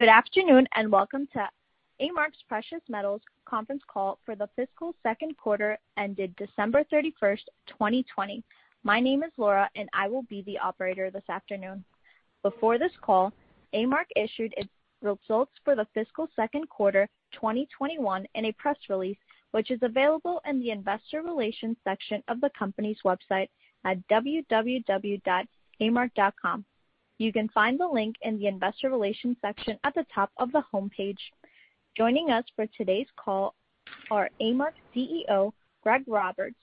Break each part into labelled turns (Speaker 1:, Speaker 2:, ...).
Speaker 1: Good afternoon, and welcome to A-Mark's Precious Metals conference call for the fiscal second quarter ended December 31st, 2020. My name is Laura, and I will be the operator this afternoon. Before this call, A-Mark issued its results for the fiscal second quarter 2021 in a press release, which is available in the investor relations section of the company's website at www.amark.com. You can find the link in the investor relations section at the top of the homepage. Joining us for today's call are A-Mark's CEO, Greg Roberts,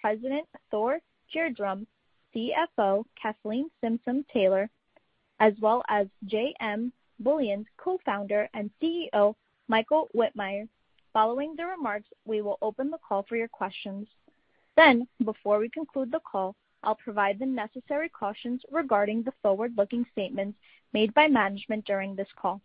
Speaker 1: President Thor Gjerdrum, CFO Kathleen Simpson-Taylor, as well as JM Bullion's Co-Founder and CEO, Michael Wittmeyer. Following the remarks, we will open the call for your questions. Before we conclude the call, I'll provide the necessary cautions regarding the forward-looking statements made by management during this call.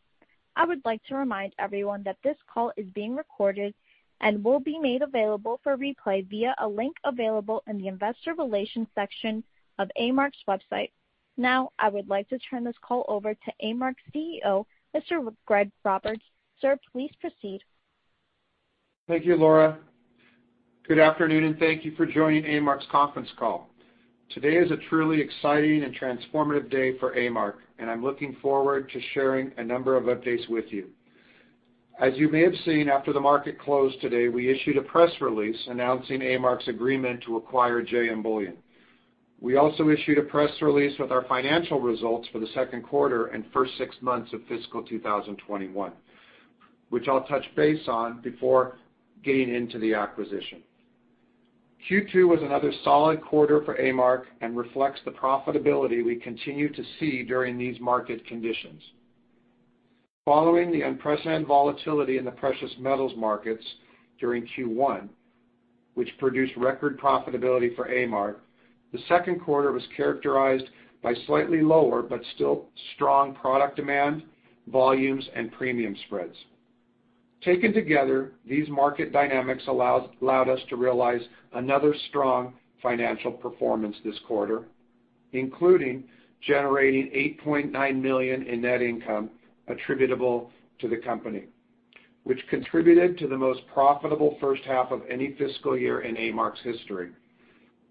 Speaker 1: I would like to remind everyone that this call is being recorded and will be made available for replay via a link available in the investor relations section of A-Mark's website. Now, I would like to turn this call over to A-Mark's CEO, Mr. Greg Roberts. Sir, please proceed.
Speaker 2: Thank you, Laura. Good afternoon, and thank you for joining A-Mark's conference call. Today is a truly exciting and transformative day for A-Mark, and I'm looking forward to sharing a number of updates with you. As you may have seen, after the market closed today, we issued a press release announcing A-Mark's agreement to acquire JM Bullion. We also issued a press release with our financial results for the second quarter and first six months of fiscal 2021, which I'll touch base on before getting into the acquisition. Q2 was another solid quarter for A-Mark and reflects the profitability we continue to see during these market conditions. Following the unprecedented volatility in the precious metals markets during Q1, which produced record profitability for A-Mark, the second quarter was characterized by slightly lower but still strong product demand, volumes, and premium spreads. Taken together, these market dynamics allowed us to realize another strong financial performance this quarter, including generating $8.9 million in net income attributable to the company, which contributed to the most profitable first half of any fiscal year in A-Mark's history.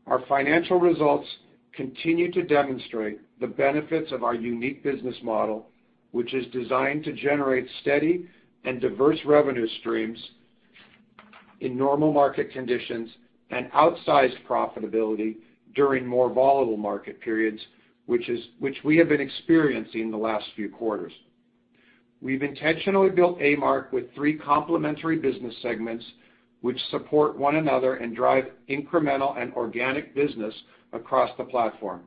Speaker 2: Our financial results continue to demonstrate the benefits of our unique business model, which is designed to generate steady and diverse revenue streams in normal market conditions and outsized profitability during more volatile market periods, which we have been experiencing the last few quarters. We've intentionally built A-Mark with three complementary business segments which support one another and drive incremental and organic business across the platform.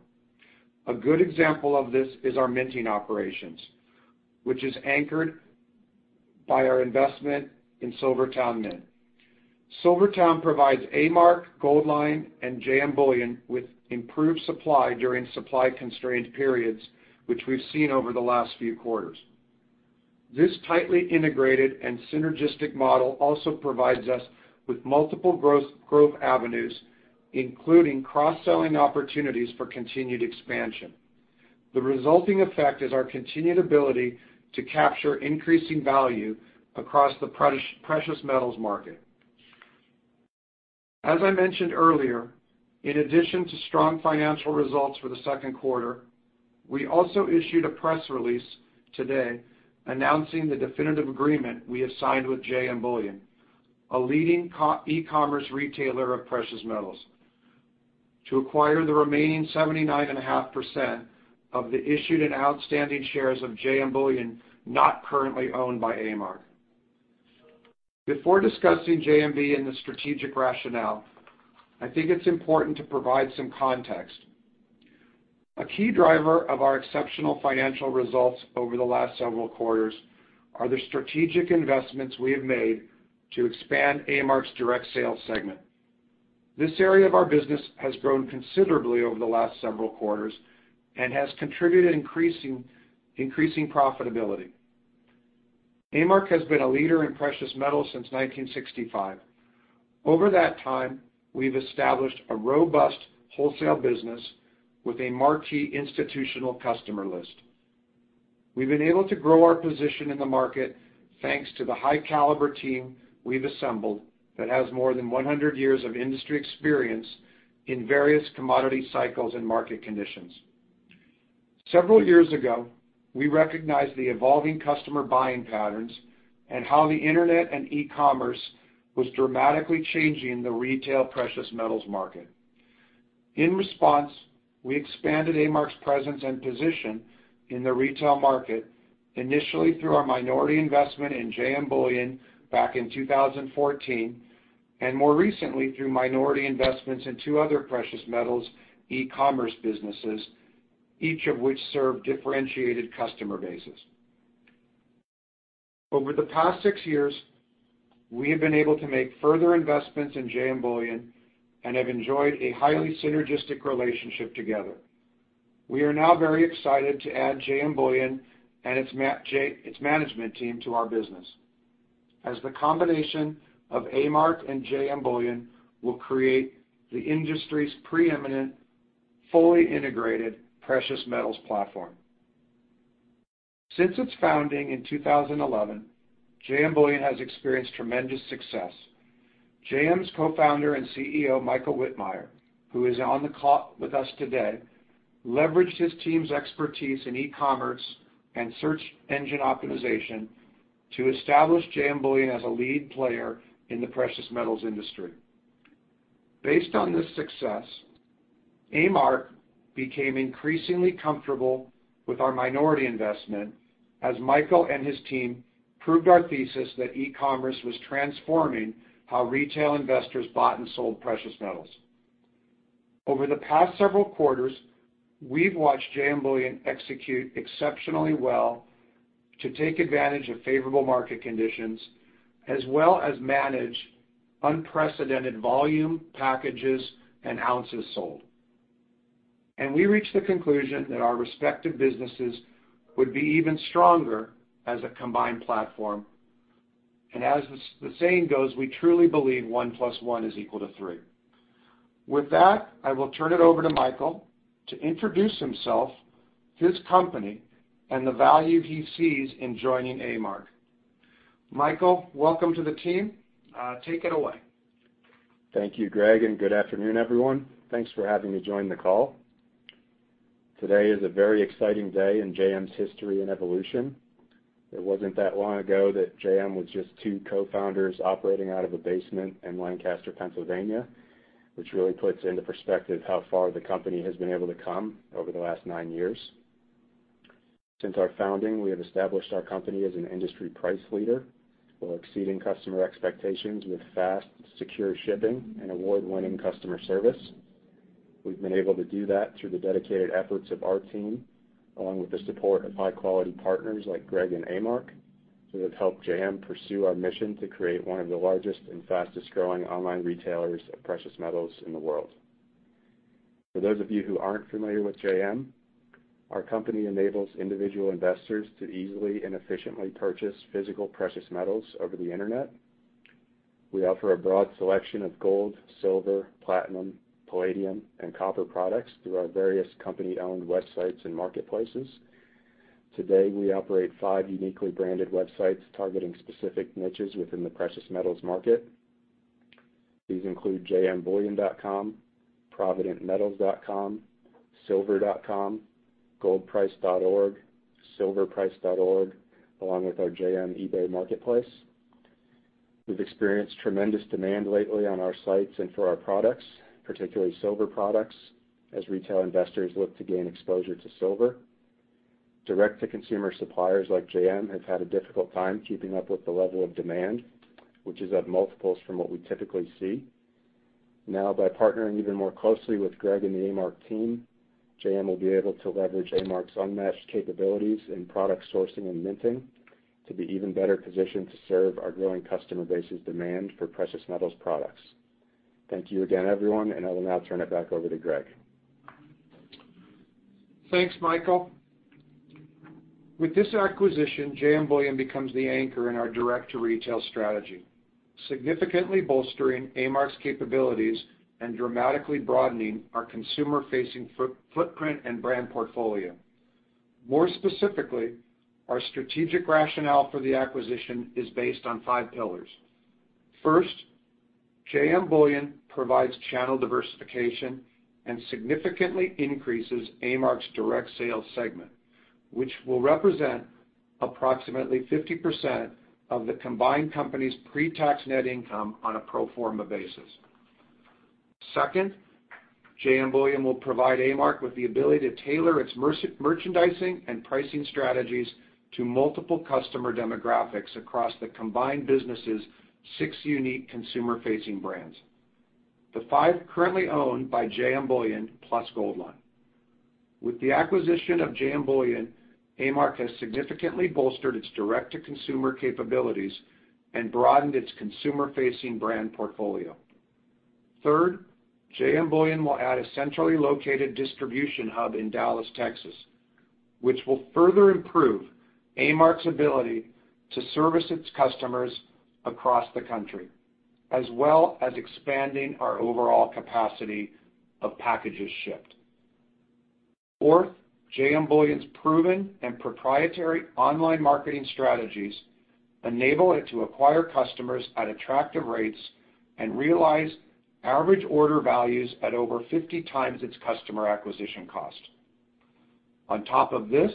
Speaker 2: A good example of this is our minting operations, which is anchored by our investment in SilverTowne Mint. SilverTowne provides A-Mark, Goldline, and JM Bullion with improved supply during supply-constrained periods, which we've seen over the last few quarters. This tightly integrated and synergistic model also provides us with multiple growth avenues, including cross-selling opportunities for continued expansion. The resulting effect is our continued ability to capture increasing value across the precious metals market. As I mentioned earlier, in addition to strong financial results for the second quarter, we also issued a press release today announcing the definitive agreement we have signed with JM Bullion, a leading e-commerce retailer of precious metals to acquire the remaining 79.5% of the issued and outstanding shares of JM Bullion not currently owned by A-Mark. Before discussing JMB and the strategic rationale, I think it's important to provide some context. A key driver of our exceptional financial results over the last several quarters are the strategic investments we have made to expand A-Mark's direct sales segment. This area of our business has grown considerably over the last several quarters and has contributed increasing profitability. A-Mark has been a leader in precious metals since 1965. Over that time, we've established a robust wholesale business with a marquee institutional customer list. We've been able to grow our position in the market thanks to the high-caliber team we've assembled that has more than 100 years of industry experience in various commodity cycles and market conditions. Several years ago, we recognized the evolving customer buying patterns and how the internet and e-commerce was dramatically changing the retail precious metals market. In response, we expanded A-Mark's presence and position in the retail market, initially through our minority investment in JM Bullion back in 2014, and more recently through minority investments in two other precious metals e-commerce businesses, each of which serve differentiated customer bases. Over the past six years, we have been able to make further investments in JM Bullion and have enjoyed a highly synergistic relationship together. We are now very excited to add JM Bullion and its management team to our business. As the combination of A-Mark and JM Bullion will create the industry's pre-eminent, fully integrated precious metals platform. Since its founding in 2011, JM Bullion has experienced tremendous success. JM's Co-Founder and CEO, Michael Wittmeyer, who is on the call with us today, leveraged his team's expertise in e-commerce and search engine optimization to establish JM Bullion as a lead player in the precious metals industry. Based on this success, A-Mark became increasingly comfortable with our minority investment as Michael and his team proved our thesis that e-commerce was transforming how retail investors bought and sold precious metals. Over the past several quarters, we've watched JM Bullion execute exceptionally well to take advantage of favorable market conditions, as well as manage unprecedented volume, packages, and ounces sold. We reached the conclusion that our respective businesses would be even stronger as a combined platform. As the saying goes, we truly believe one plus one is equal to three. With that, I will turn it over to Michael to introduce himself, his company, and the value he sees in joining A-Mark. Michael, welcome to the team. Take it away.
Speaker 3: Thank you, Greg. Good afternoon, everyone. Thanks for having me join the call. Today is a very exciting day in JM's history and evolution. It wasn't that long ago that JM was just two co-founders operating out of a basement in Lancaster, Pennsylvania, which really puts into perspective how far the company has been able to come over the last nine years. Since our founding, we have established our company as an industry price leader while exceeding customer expectations with fast, secure shipping and award-winning customer service. We've been able to do that through the dedicated efforts of our team, along with the support of high-quality partners like Greg and A-Mark, who have helped JM pursue our mission to create one of the largest and fastest-growing online retailers of precious metals in the world. For those of you who aren't familiar with JM, our company enables individual investors to easily and efficiently purchase physical precious metals over the internet. We offer a broad selection of gold, silver, platinum, palladium, and copper products through our various company-owned websites and marketplaces. Today, we operate five uniquely branded websites targeting specific niches within the precious metals market. These include jmbullion.com, providentmetals.com, silver.com, goldprice.org, silverprice.org, along with our JM eBay marketplace. We've experienced tremendous demand lately on our sites and for our products, particularly silver products, as retail investors look to gain exposure to silver. Direct-to-consumer suppliers like JM have had a difficult time keeping up with the level of demand, which is at multiples from what we typically see. By partnering even more closely with Greg and the A-Mark team, JM will be able to leverage A-Mark's unmatched capabilities in product sourcing and minting to be even better positioned to serve our growing customer base's demand for precious metals products. Thank you again, everyone, and I will now turn it back over to Greg.
Speaker 2: Thanks, Michael. With this acquisition, JM Bullion becomes the anchor in our direct-to-retail strategy, significantly bolstering A-Mark's capabilities and dramatically broadening our consumer-facing footprint and brand portfolio. More specifically, our strategic rationale for the acquisition is based on five pillars. First, JM Bullion provides channel diversification and significantly increases A-Mark's direct sales segment, which will represent approximately 50% of the combined company's pre-tax net income on a pro forma basis. Second, JM Bullion will provide A-Mark with the ability to tailor its merchandising and pricing strategies to multiple customer demographics across the combined businesses' six unique consumer-facing brands, the five currently owned by JM Bullion, plus Goldline. With the acquisition of JM Bullion, A-Mark has significantly bolstered its direct-to-consumer capabilities and broadened its consumer-facing brand portfolio. Third, JM Bullion will add a centrally located distribution hub in Dallas, Texas, which will further improve A-Mark's ability to service its customers across the country, as well as expanding our overall capacity of packages shipped. Fourth, JM Bullion's proven and proprietary online marketing strategies enable it to acquire customers at attractive rates and realize average order values at over 50x its customer acquisition cost. On top of this,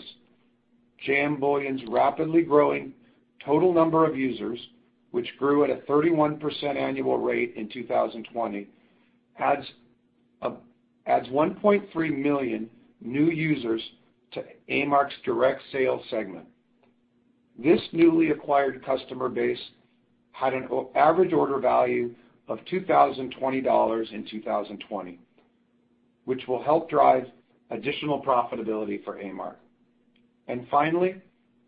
Speaker 2: JM Bullion's rapidly growing total number of users, which grew at a 31% annual rate in 2020, adds 1.3 million new users to A-Mark's direct sales segment. This newly acquired customer base had an average order value of $2,020 in 2020, which will help drive additional profitability for A-Mark. Finally,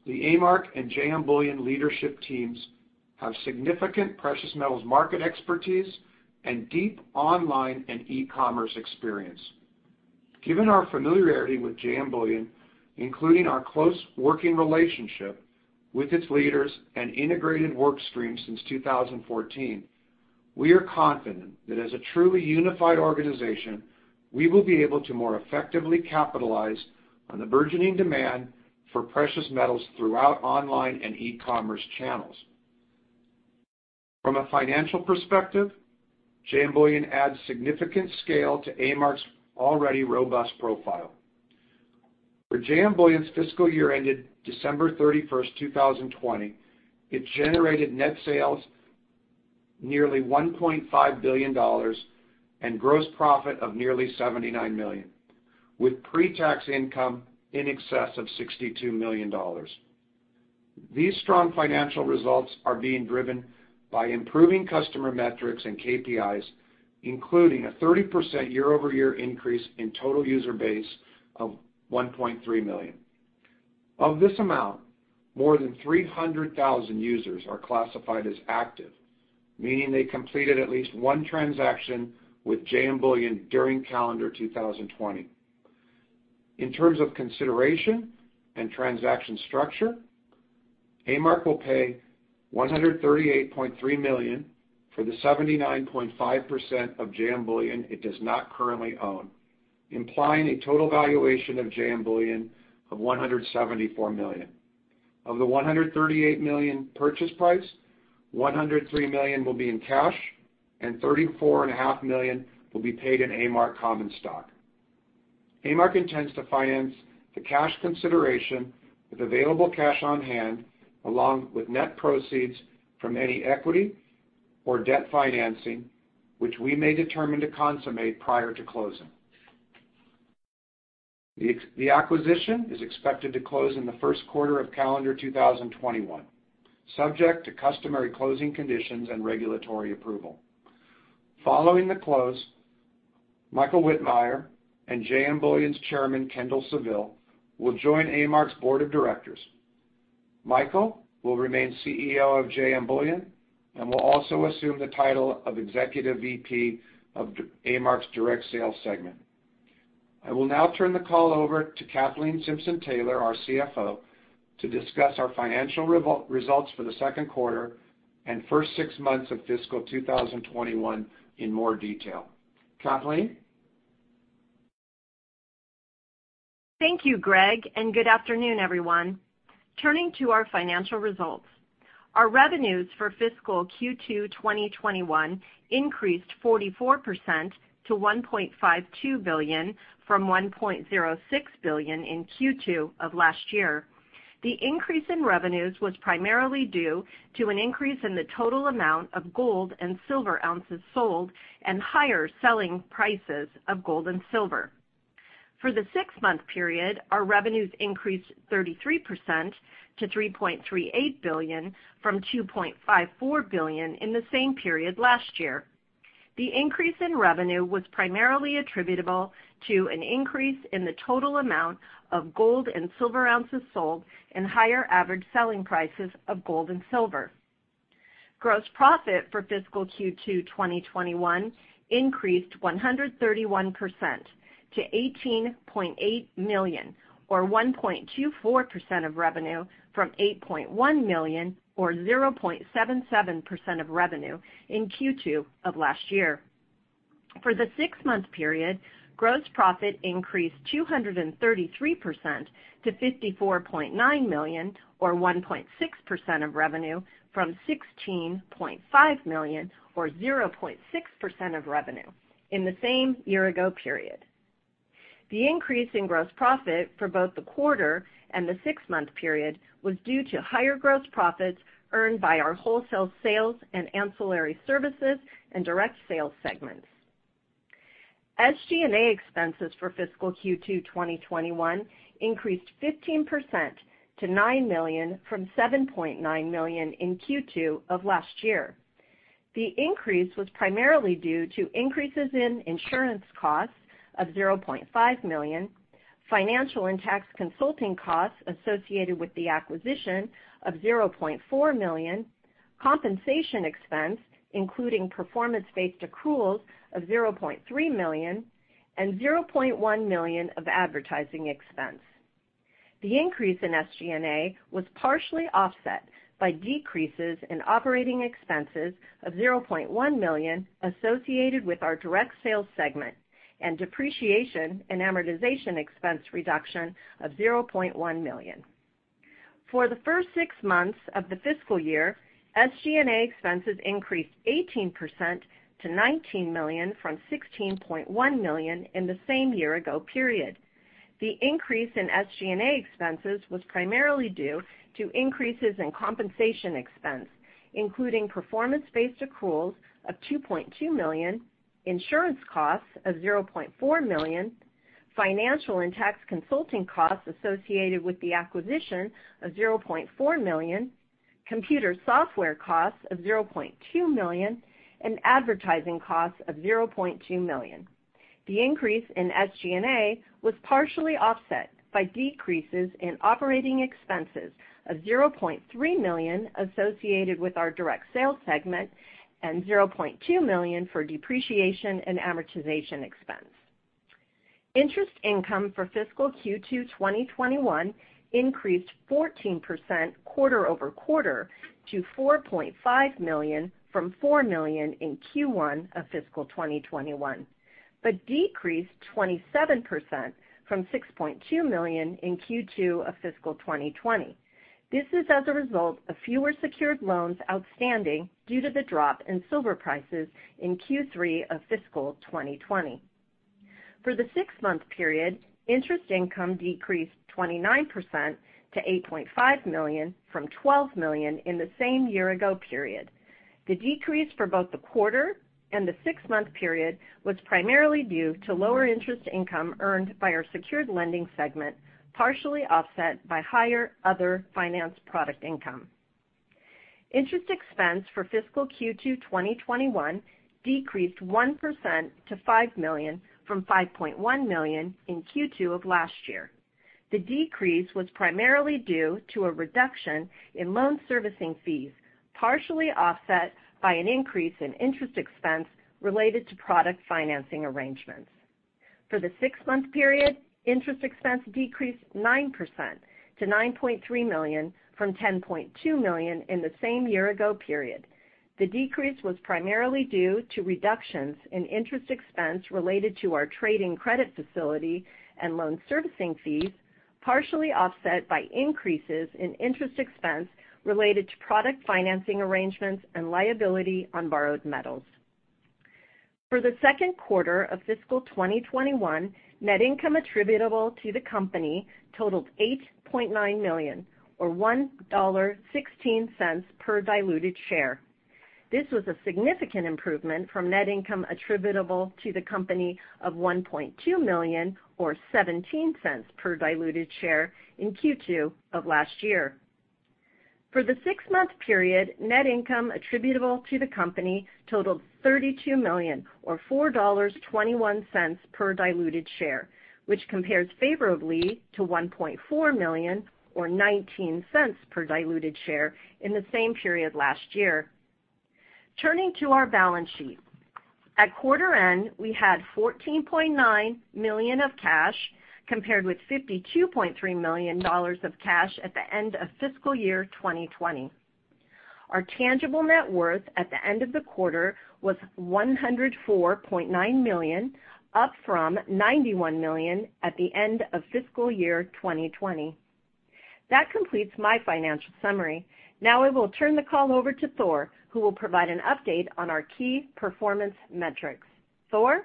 Speaker 2: the A-Mark and JM Bullion leadership teams have significant precious metals market expertise and deep online and e-commerce experience. Given our familiarity with JM Bullion, including our close working relationship with its leaders and integrated work stream since 2014, we are confident that as a truly unified organization, we will be able to more effectively capitalize on the burgeoning demand for precious metals throughout online and e-commerce channels. From a financial perspective, JM Bullion adds significant scale to A-Mark's already robust profile. For JM Bullion's fiscal year ended December 31st, 2020, it generated net sales nearly $1.5 billion and gross profit of nearly $79 million, with pre-tax income in excess of $62 million. These strong financial results are being driven by improving customer metrics and KPIs, including a 30% year-over-year increase in total user base of 1.3 million. Of this amount, more than 300,000 users are classified as active, meaning they completed at least one transaction with JM Bullion during calendar 2020. In terms of consideration and transaction structure, A-Mark will pay $138.3 million for the 79.5% of JM Bullion it does not currently own, implying a total valuation of JM Bullion of $174 million. Of the $138 million purchase price, $103 million will be in cash and $34.5 million will be paid in A-Mark common stock. A-Mark intends to finance the cash consideration with available cash on hand, along with net proceeds from any equity or debt financing, which we may determine to consummate prior to closing. The acquisition is expected to close in the first quarter of calendar 2021, subject to customary closing conditions and regulatory approval. Following the close, Michael Wittmeyer and JM Bullion's chairman, Kendall Saville, will join A-Mark's board of directors. Michael will remain CEO of JM Bullion and will also assume the title of Executive VP of A-Mark's direct sales segment. I will now turn the call over to Kathleen Simpson-Taylor, our CFO, to discuss our financial results for the second quarter and first six months of fiscal 2021 in more detail. Kathleen?
Speaker 4: Thank you, Greg, and good afternoon, everyone. Turning to our financial results. Our revenues for fiscal Q2 2021 increased 44% to $1.52 billion from $1.06 billion in Q2 of last year. The increase in revenues was primarily due to an increase in the total amount of gold and silver ounces sold and higher selling prices of gold and silver. For the six-month period, our revenues increased 33% to $3.38 billion from $2.54 billion in the same period last year. The increase in revenue was primarily attributable to an increase in the total amount of gold and silver ounces sold and higher average selling prices of gold and silver. Gross profit for fiscal Q2 2021 increased 131% to $18.8 million, or 1.24% of revenue, from $8.1 million or 0.77% of revenue in Q2 of last year. For the six-month period, gross profit increased 233% to $54.9 million or 1.6% of revenue from $16.5 million or 0.6% of revenue in the same year-ago period. The increase in gross profit for both the quarter and the six-month period was due to higher gross profits earned by our wholesale sales and ancillary services and direct sales segments. SG&A expenses for fiscal Q2 2021 increased 15%-$9 million from $7.9 million in Q2 of last year. The increase was primarily due to increases in insurance costs of $0.5 million, financial and tax consulting costs associated with the acquisition of $0.4 million, compensation expense, including performance-based accruals of $0.3 million, and $0.1 million of advertising expense. The increase in SG&A was partially offset by decreases in operating expenses of $0.1 million associated with our direct sales segment and depreciation and amortization expense reduction of $0.1 million. For the first six months of the fiscal year, SG&A expenses increased 18% to $19 million from $16.1 million in the same year-ago period. The increase in SG&A expenses was primarily due to increases in compensation expense, including performance-based accruals of $2.2 million, insurance costs of $0.4 million, financial and tax consulting costs associated with the acquisition of $0.4 million, computer software costs of $0.2 million, and advertising costs of $0.2 million. The increase in SG&A was partially offset by decreases in operating expenses of $0.3 million associated with our direct sales segment and $0.2 million for depreciation and amortization expense. Interest income for fiscal Q2 2021 increased 14% quarter-over-quarter to $4.5 million from $4 million in Q1 of fiscal 2021, decreased 27% from $6.2 million in Q2 of fiscal 2020. This is as a result of fewer secured loans outstanding due to the drop in silver prices in Q3 of fiscal 2020. For the six-month period, interest income decreased 29% to $8.5 million from $12 million in the same year ago period. The decrease for both the quarter and the six-month period was primarily due to lower interest income earned by our secured lending segment, partially offset by higher other finance product income. Interest expense for fiscal Q2 2021 decreased 1% to $5 million from $5.1 million in Q2 of last year. The decrease was primarily due to a reduction in loan servicing fees, partially offset by an increase in interest expense related to product financing arrangements. For the six-month period, interest expense decreased 9% to $9.3 million from $10.2 million in the same year ago period. The decrease was primarily due to reductions in interest expense related to our trading credit facility and loan servicing fees, partially offset by increases in interest expense related to product financing arrangements and liability on borrowed metals. For the second quarter of fiscal 2021, net income attributable to the company totaled $8.9 million or $1.16 per diluted share. This was a significant improvement from net income attributable to the company of $1.2 million or $0.17 per diluted share in Q2 of last year. For the six-month period, net income attributable to the company totaled $32 million, or $4.21 per diluted share, which compares favorably to $1.4 million or $0.19 per diluted share in the same period last year. Turning to our balance sheet. At quarter end, we had $14.9 million of cash, compared with $52.3 million of cash at the end of fiscal year 2020. Our tangible net worth at the end of the quarter was $104.9 million, up from $91 million at the end of fiscal year 2020. That completes my financial summary. Now I will turn the call over to Thor, who will provide an update on our key performance metrics. Thor?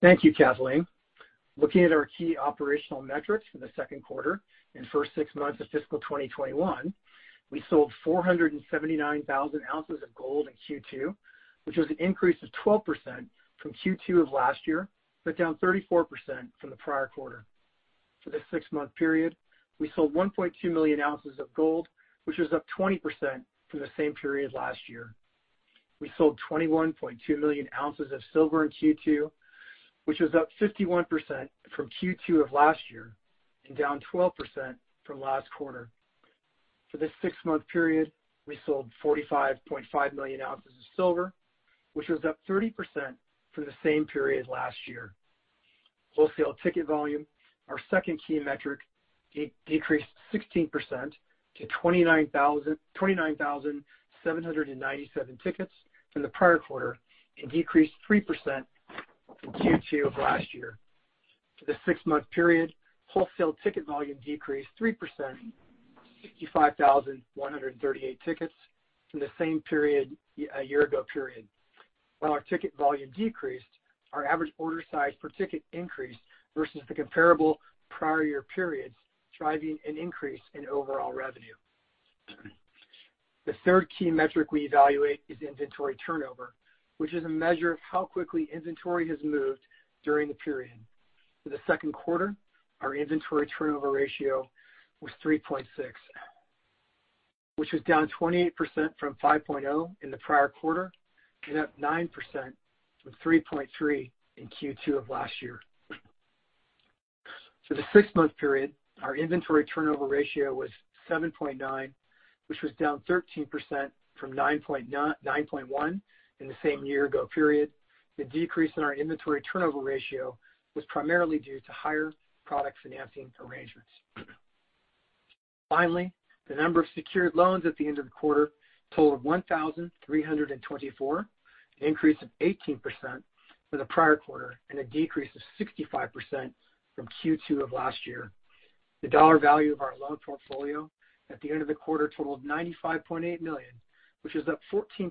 Speaker 5: Thank you, Kathleen. Looking at our key operational metrics for the second quarter and first six months of fiscal 2021, we sold 479,000 ounces of gold in Q2, which was an increase of 12% from Q2 of last year, but down 34% from the prior quarter. For this six-month period, we sold 1.2 million ounces of gold, which was up 20% from the same period last year. We sold 21.2 million ounces of silver in Q2, which was up 51% from Q2 of last year and down 12% from last quarter. For this six-month period, we sold 45.5 million ounces of silver, which was up 30% for the same period last year. Wholesale ticket volume, our second key metric, decreased 16% to 29,797 tickets from the prior quarter and decreased 3% from Q2 of last year. For the six-month period, wholesale ticket volume decreased 3% to 65,138 tickets from the same period a year ago period. While our ticket volume decreased, our average order size per ticket increased versus the comparable prior year periods, driving an increase in overall revenue. The third key metric we evaluate is inventory turnover, which is a measure of how quickly inventory has moved during the period. For the second quarter, our inventory turnover ratio was 3.6, which was down 28% from 5.0 in the prior quarter and up 9% from 3.3 in Q2 of last year. For the six-month period, our inventory turnover ratio was 7.9, which was down 13% from 9.1 in the same year ago period. The decrease in our inventory turnover ratio was primarily due to higher product financing arrangements. Finally, the number of secured loans at the end of the quarter totaled 1,324, an increase of 18% from the prior quarter and a decrease of 65% from Q2 of last year. The dollar value of our loan portfolio at the end of the quarter totaled $95.8 million, which was up 14%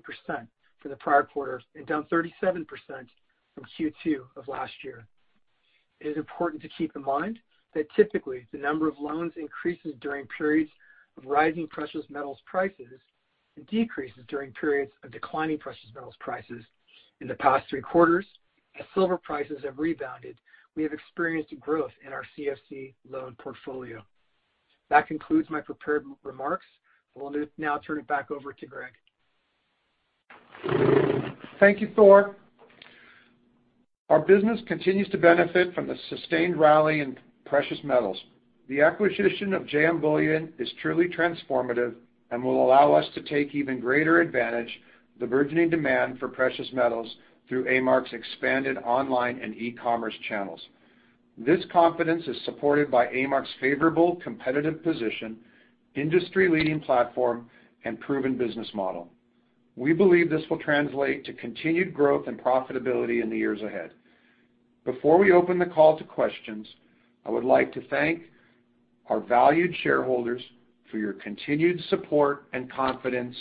Speaker 5: from the prior quarter and down 37% from Q2 of last year. It is important to keep in mind that typically, the number of loans increases during periods of rising precious metals prices and decreases during periods of declining precious metals prices. In the past three quarters, as silver prices have rebounded, we have experienced growth in our CFC loan portfolio. That concludes my prepared remarks. I will now turn it back over to Greg.
Speaker 2: Thank you, Thor. Our business continues to benefit from the sustained rally in precious metals The acquisition of JM Bullion is truly transformative and will allow us to take even greater advantage of the burgeoning demand for precious metals through A-Mark's expanded online and e-commerce channels. This confidence is supported by A-Mark's favorable competitive position, industry-leading platform, and proven business model. We believe this will translate to continued growth and profitability in the years ahead. Before we open the call to questions, I would like to thank our valued shareholders for your continued support and confidence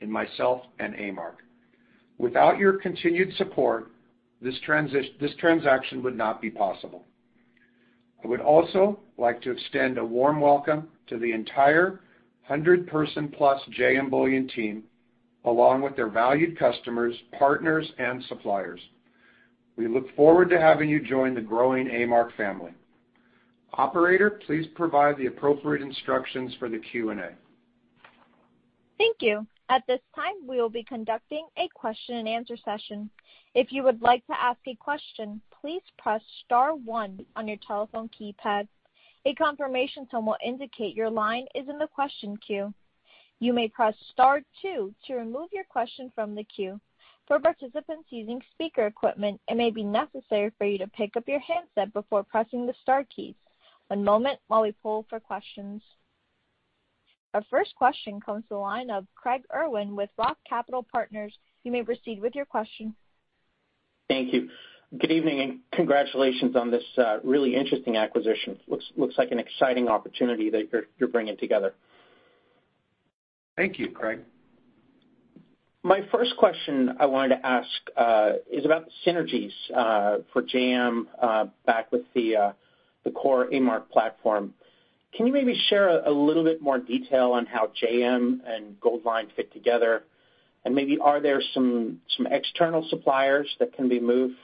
Speaker 2: in myself and A-Mark. Without your continued support, this transaction would not be possible. I would also like to extend a warm welcome to the entire 100-person plus JM Bullion team, along with their valued customers, partners, and suppliers. We look forward to having you join the growing A-Mark family. Operator, please provide the appropriate instructions for the Q&A.
Speaker 1: Thank you. At this time, we will be conducting a question and answer session. If you would like to ask a question, please press star one on your telephone keypad. A confirmation tone will indicate your line is in the question queue. You may press star two to remove your question from the queue. For participants using speaker equipment, it may be necessary for you to pick up your handset before pressing the star key. One moment while we poll for questions. Our first question comes to the line of Craig Irwin with Roth Capital Partners. You may proceed with your question.
Speaker 6: Thank you. Good evening, congratulations on this really interesting acquisition. Looks like an exciting opportunity that you're bringing together.
Speaker 2: Thank you, Craig.
Speaker 6: My first question I wanted to ask is about the synergies for JM back with the core A-Mark platform. Can you maybe share a little bit more detail on how JM and Goldline fit together? Maybe are there some external suppliers that can be moved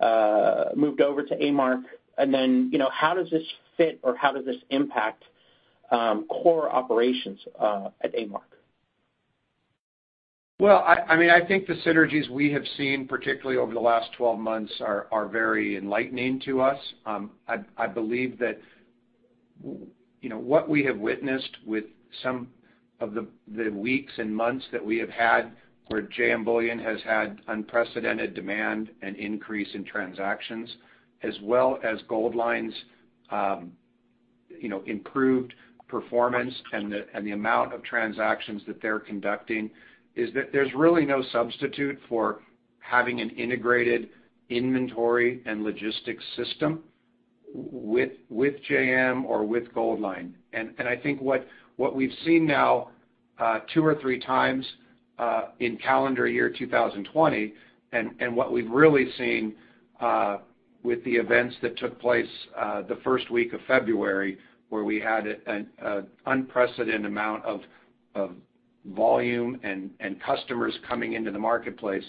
Speaker 6: over to A-Mark? Then, how does this fit or how does this impact core operations at A-Mark?
Speaker 2: Well, I think the synergies we have seen, particularly over the last 12 months, are very enlightening to us. I believe that what we have witnessed with some of the weeks and months that we have had where JM Bullion has had unprecedented demand and increase in transactions, as well as Goldline's improved performance and the amount of transactions that they're conducting, is that there's really no substitute for having an integrated inventory and logistics system with JM or with Goldline. I think what we've seen now two or three times in calendar year 2020, what we've really seen with the events that took place the first week of February, where we had an unprecedented amount of volume and customers coming into the marketplace,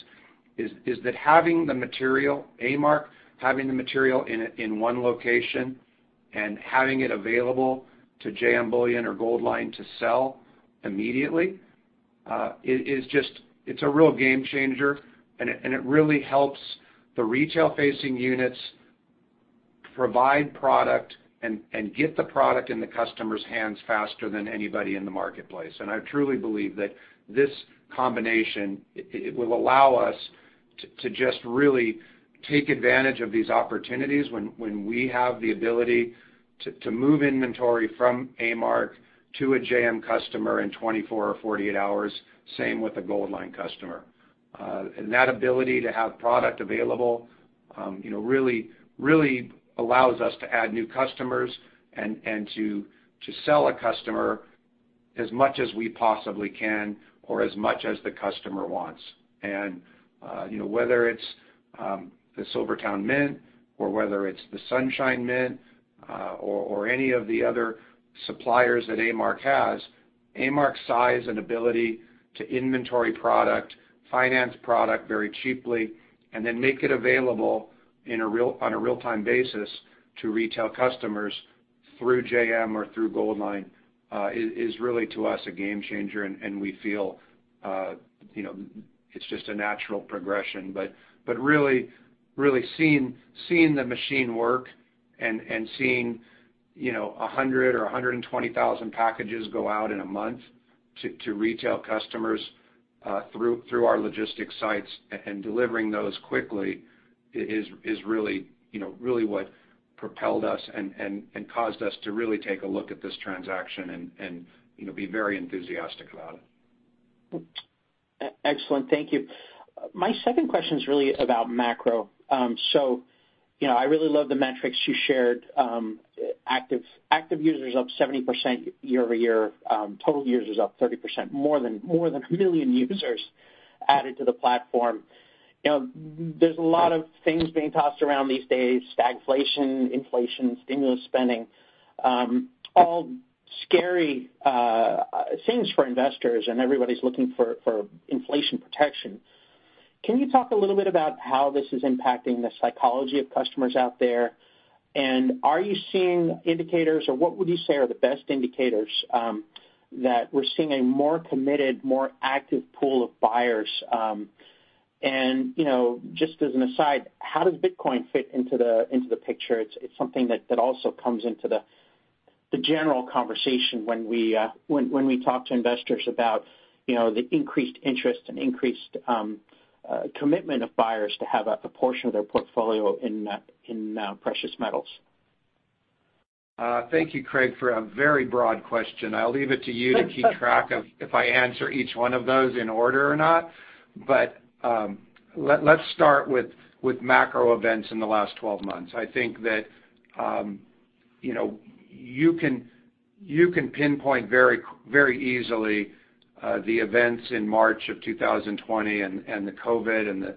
Speaker 2: is that having the material, A-Mark, having the material in one location and having it available to JM Bullion or Goldline to sell immediately, it's a real game changer, and it really helps the retail-facing units provide product and get the product in the customer's hands faster than anybody in the marketplace. I truly believe that this combination will allow us to just really take advantage of these opportunities when we have the ability to move inventory from A-Mark to a JM customer in 24 hrs or 48 hrs, same with a Goldline customer. That ability to have product available really allows us to add new customers and to sell a customer as much as we possibly can or as much as the customer wants. Whether it's the SilverTowne Mint or whether it's the Sunshine Mint or any of the other suppliers that A-Mark has, A-Mark's size and ability to inventory product, finance product very cheaply, and then make it available on a real-time basis to retail customers through JM or through Goldline is really, to us, a game changer, and we feel it's just a natural progression. Really seeing the machine work and seeing 100,000 or 120,000 packages go out in a month to retail customers through our logistics sites and delivering those quickly is really what propelled us and caused us to really take a look at this transaction and be very enthusiastic about it.
Speaker 6: Excellent. Thank you. My second question's really about macro. I really love the metrics you shared. Active users up 70% year-over-year. Total users up 30%, more than 1 million users added to the platform. There's a lot of things being tossed around these days, stagflation, inflation, stimulus spending, all scary things for investors, and everybody's looking for inflation protection. Can you talk a little bit about how this is impacting the psychology of customers out there? Are you seeing indicators, or what would you say are the best indicators that we're seeing a more committed, more active pool of buyers? Just as an aside, how does Bitcoin fit into the picture? It's something that also comes into the general conversation when we talk to investors about the increased interest and increased commitment of buyers to have a portion of their portfolio in precious metals.
Speaker 2: Thank you, Craig, for a very broad question. I'll leave it to you to keep track of if I answer each one of those in order or not. Let start with macro events in the last 12 months. I think that you can pinpoint very easily the events in March of 2020 and the COVID and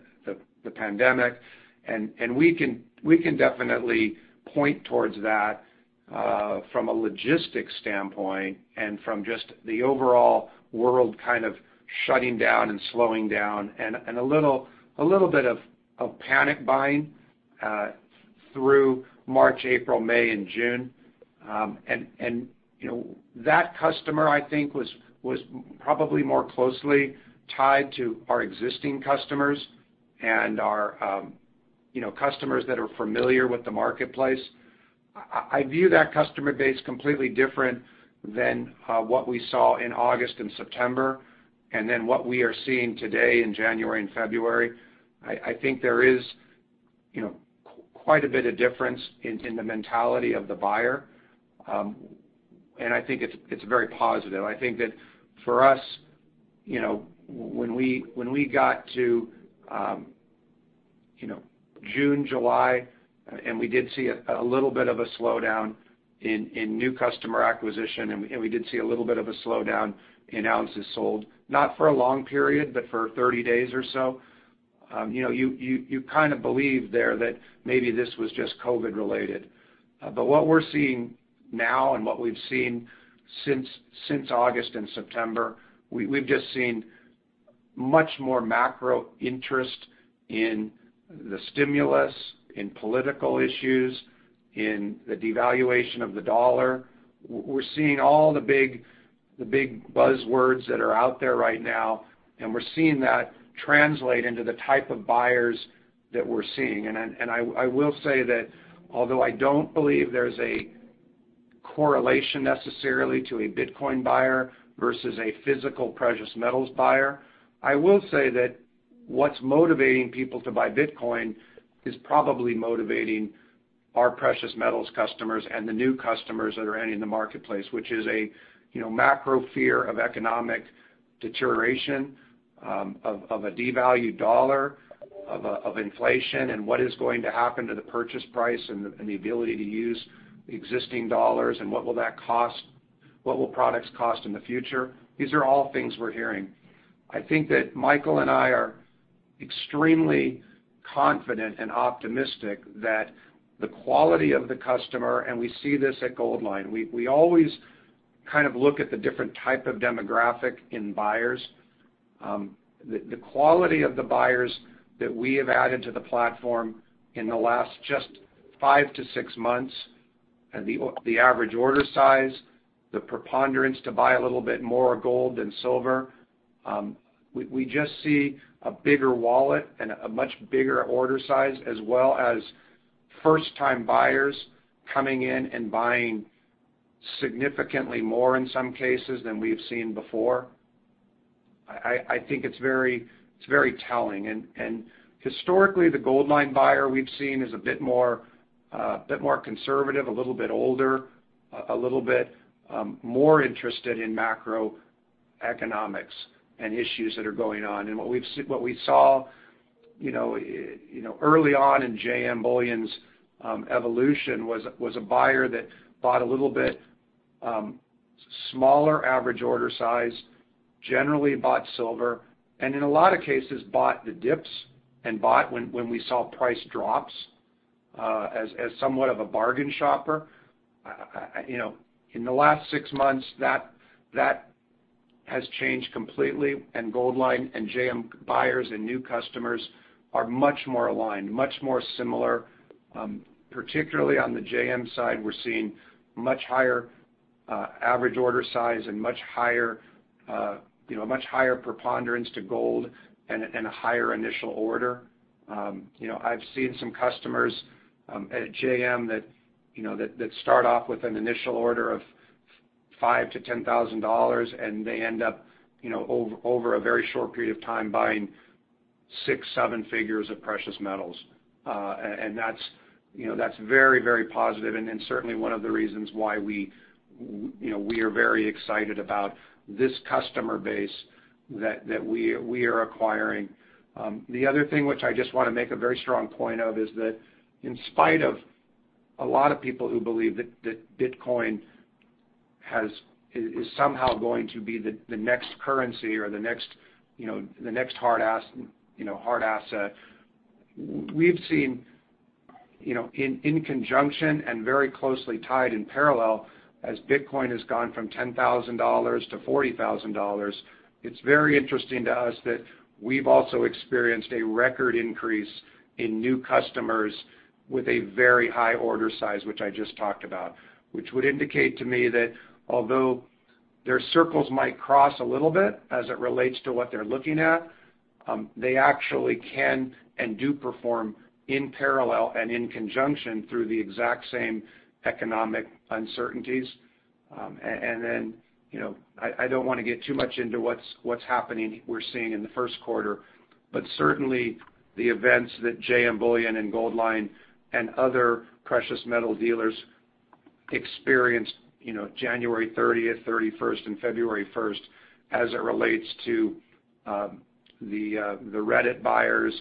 Speaker 2: the pandemic. We can definitely point towards that from a logistics standpoint and from just the overall world kind of shutting down and slowing down and a little bit of panic buying through March, April, May, and June. That customer, I think, was probably more closely tied to our existing customers and our customers that are familiar with the marketplace. I view that customer base completely different than what we saw in August and September, and then what we are seeing today in January and February. I think there is quite a bit of difference in the mentality of the buyer. I think it's very positive. I think that for us, when we got to June, July, and we did see a little bit of a slowdown in new customer acquisition, and we did see a little bit of a slowdown in ounces sold, not for a long period, but for 30 days or so. You kind of believe there that maybe this was just COVID related. What we're seeing now and what we've seen since August and September, we've just seen much more macro interest in the stimulus, in political issues, in the devaluation of the dollar. We're seeing all the big buzzwords that are out there right now, and we're seeing that translate into the type of buyers that we're seeing. I will say that although I don't believe there's a correlation necessarily to a Bitcoin buyer versus a physical precious metals buyer, I will say that what's motivating people to buy Bitcoin is probably motivating our precious metals customers and the new customers that are entering the marketplace, which is a macro fear of economic deterioration, of a devalued dollar, of inflation, and what is going to happen to the purchase price and the ability to use existing dollars and what will that cost, what will products cost in the future. These are all things we're hearing. I think that Michael and I are extremely confident and optimistic that the quality of the customer, and we see this at Goldline. We always kind of look at the different type of demographic in buyers. The quality of the buyers that we have added to the platform in the last just five to six months, the average order size, the preponderance to buy a little bit more gold than silver. We just see a bigger wallet and a much bigger order size, as well as first-time buyers coming in and buying significantly more in some cases than we've seen before. I think it's very telling. Historically, the Goldline buyer we've seen is a bit more conservative, a little bit older, a little bit more interested in macroeconomics and issues that are going on. What we saw early on in JM Bullion's evolution was a buyer that bought a little bit smaller average order size, generally bought silver, and in a lot of cases, bought the dips and bought when we saw price drops as somewhat of a bargain shopper. In the last six months, that has changed completely. Goldline and JM buyers and new customers are much more aligned, much more similar. Particularly on the JM side, we're seeing much higher average order size and a much higher preponderance to gold and a higher initial order. I've seen some customers at JM that start off with an initial order of $5,000-$10,000, and they end up over a very short period of time buying six, seven figures of precious metals. That's very, very positive, certainly one of the reasons why we are very excited about this customer base that we are acquiring. The other thing which I just want to make a very strong point of is that in spite of a lot of people who believe that Bitcoin is somehow going to be the next currency or the next hard asset, we've seen in conjunction and very closely tied in parallel, as Bitcoin has gone from $10,000-$40,000, it's very interesting to us that we've also experienced a record increase in new customers with a very high order size, which I just talked about. Which would indicate to me that although their circles might cross a little bit as it relates to what they're looking at. They actually can and do perform in parallel and in conjunction through the exact same economic uncertainties. I don't want to get too much into what's happening, we're seeing in the first quarter, but certainly the events that JM Bullion and Goldline and other precious metal dealers experienced January 30th-31st, and February 1st as it relates to the Reddit buyers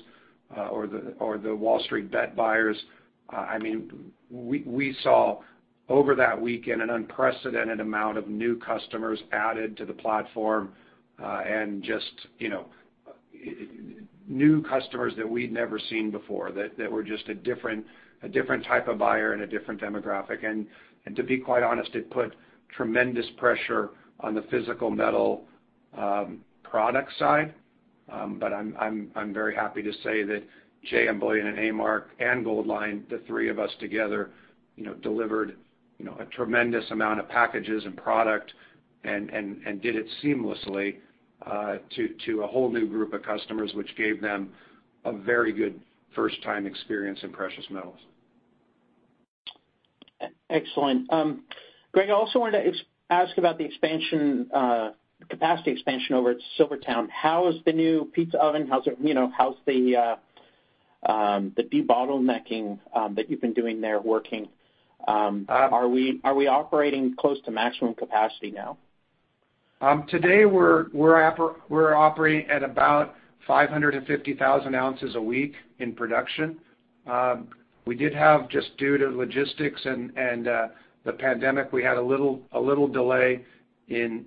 Speaker 2: or the WallStreetBets buyers. We saw over that weekend an unprecedented amount of new customers added to the platform, and new customers that we'd never seen before, that were just a different type of buyer and a different demographic. To be quite honest, it put tremendous pressure on the physical metal product side. I'm very happy to say that JM Bullion and A-Mark and Goldline, the three of us together, delivered a tremendous amount of packages and product, and did it seamlessly to a whole new group of customers, which gave them a very good first-time experience in precious metals.
Speaker 6: Excellent. Greg, I also wanted to ask about the capacity expansion over at SilverTowne. How is the new pizza oven? How's the de-bottlenecking that you've been doing there working? Are we operating close to maximum capacity now?
Speaker 2: Today, we're operating at about 550,000 ounces a week in production. We did have, just due to logistics and the pandemic, we had a little delay in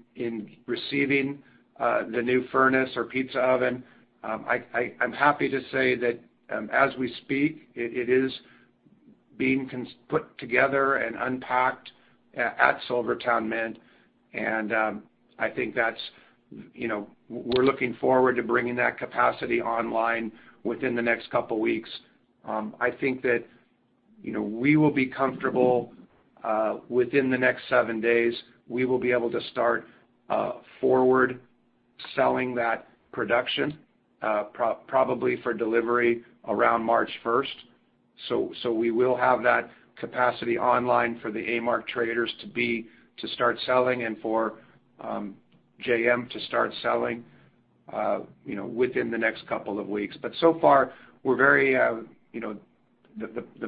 Speaker 2: receiving the new furnace or pizza oven. I'm happy to say that as we speak, it is being put together and unpacked at SilverTowne Mint. We're looking forward to bringing that capacity online within the next couple of weeks. I think that we will be comfortable within the next seven days, we will be able to start forward selling that production, probably for delivery around March 1st. We will have that capacity online for the A-Mark traders to start selling and for JM to start selling within the next couple of weeks. So far, the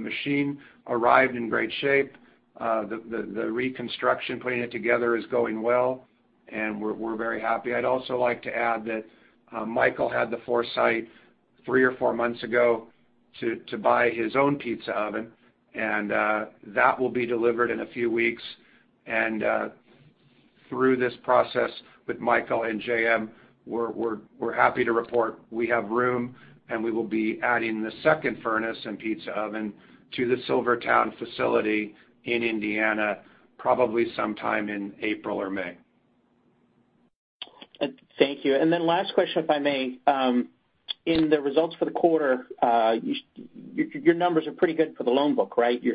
Speaker 2: machine arrived in great shape. The reconstruction, putting it together is going well. We're very happy. I'd also like to add that Michael had the foresight three or four months ago to buy his own pizza oven, that will be delivered in a few weeks. Through this process with Michael and JM, we're happy to report we have room, we will be adding the second furnace and pizza oven to the SilverTowne facility in Indiana probably sometime in April or May.
Speaker 6: Thank you. Last question, if I may. In the results for the quarter, your numbers are pretty good for the loan book, right?
Speaker 2: Yep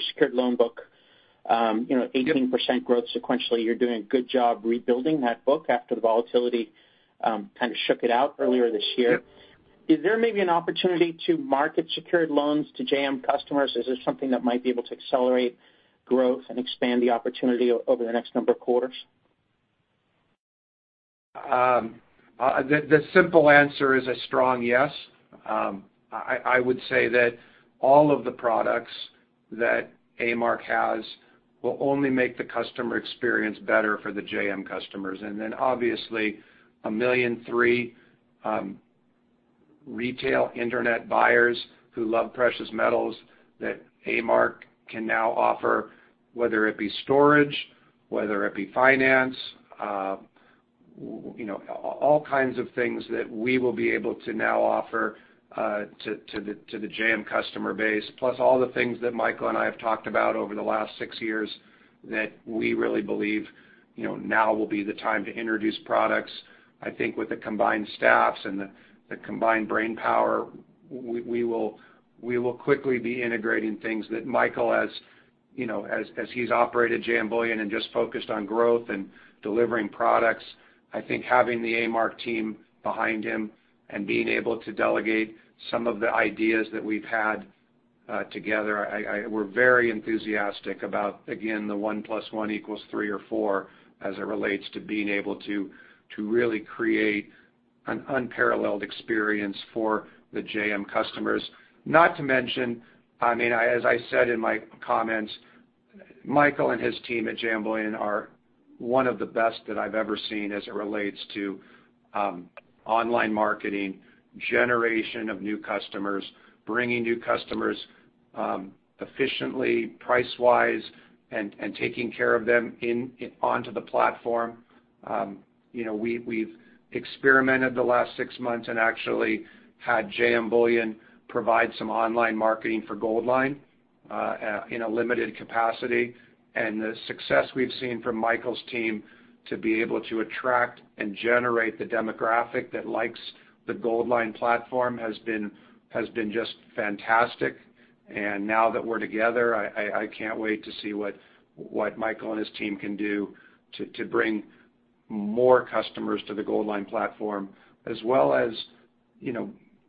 Speaker 6: 18% growth sequentially. You're doing a good job rebuilding that book after the volatility kind of shook it out earlier this year.
Speaker 2: Yep.
Speaker 6: Is there maybe an opportunity to market secured loans to JM customers? Is this something that might be able to accelerate growth and expand the opportunity over the next number of quarters?
Speaker 2: The simple answer is a strong yes. I would say that all of the products that A-Mark has will only make the customer experience better for the JM customers. Obviously, 1,000,003 retail internet buyers who love precious metals that A-Mark can now offer, whether it be storage, whether it be finance, all kinds of things that we will be able to now offer to the JM customer base. Plus all the things that Michael and I have talked about over the last six years that we really believe now will be the time to introduce products. I think with the combined staffs and the combined brainpower, we will quickly be integrating things that Michael, as he's operated JM Bullion and just focused on growth and delivering products, I think having the A-Mark team behind him and being able to delegate some of the ideas that we've had together, we're very enthusiastic about, again, the one plus one equals three or four as it relates to being able to really create an unparalleled experience for the JM customers. Not to mention, as I said in my comments, Michael and his team at JM Bullion are one of the best that I've ever seen as it relates to online marketing, generation of new customers, bringing new customers efficiently, price-wise, and taking care of them onto the platform. We've experimented the last six months and actually had JM Bullion provide some online marketing for Goldline in a limited capacity. The success we've seen from Michael's team to be able to attract and generate the demographic that likes the Goldline platform has been just fantastic. Now that we're together, I can't wait to see what Michael and his team can do to bring more customers to the Goldline platform, as well as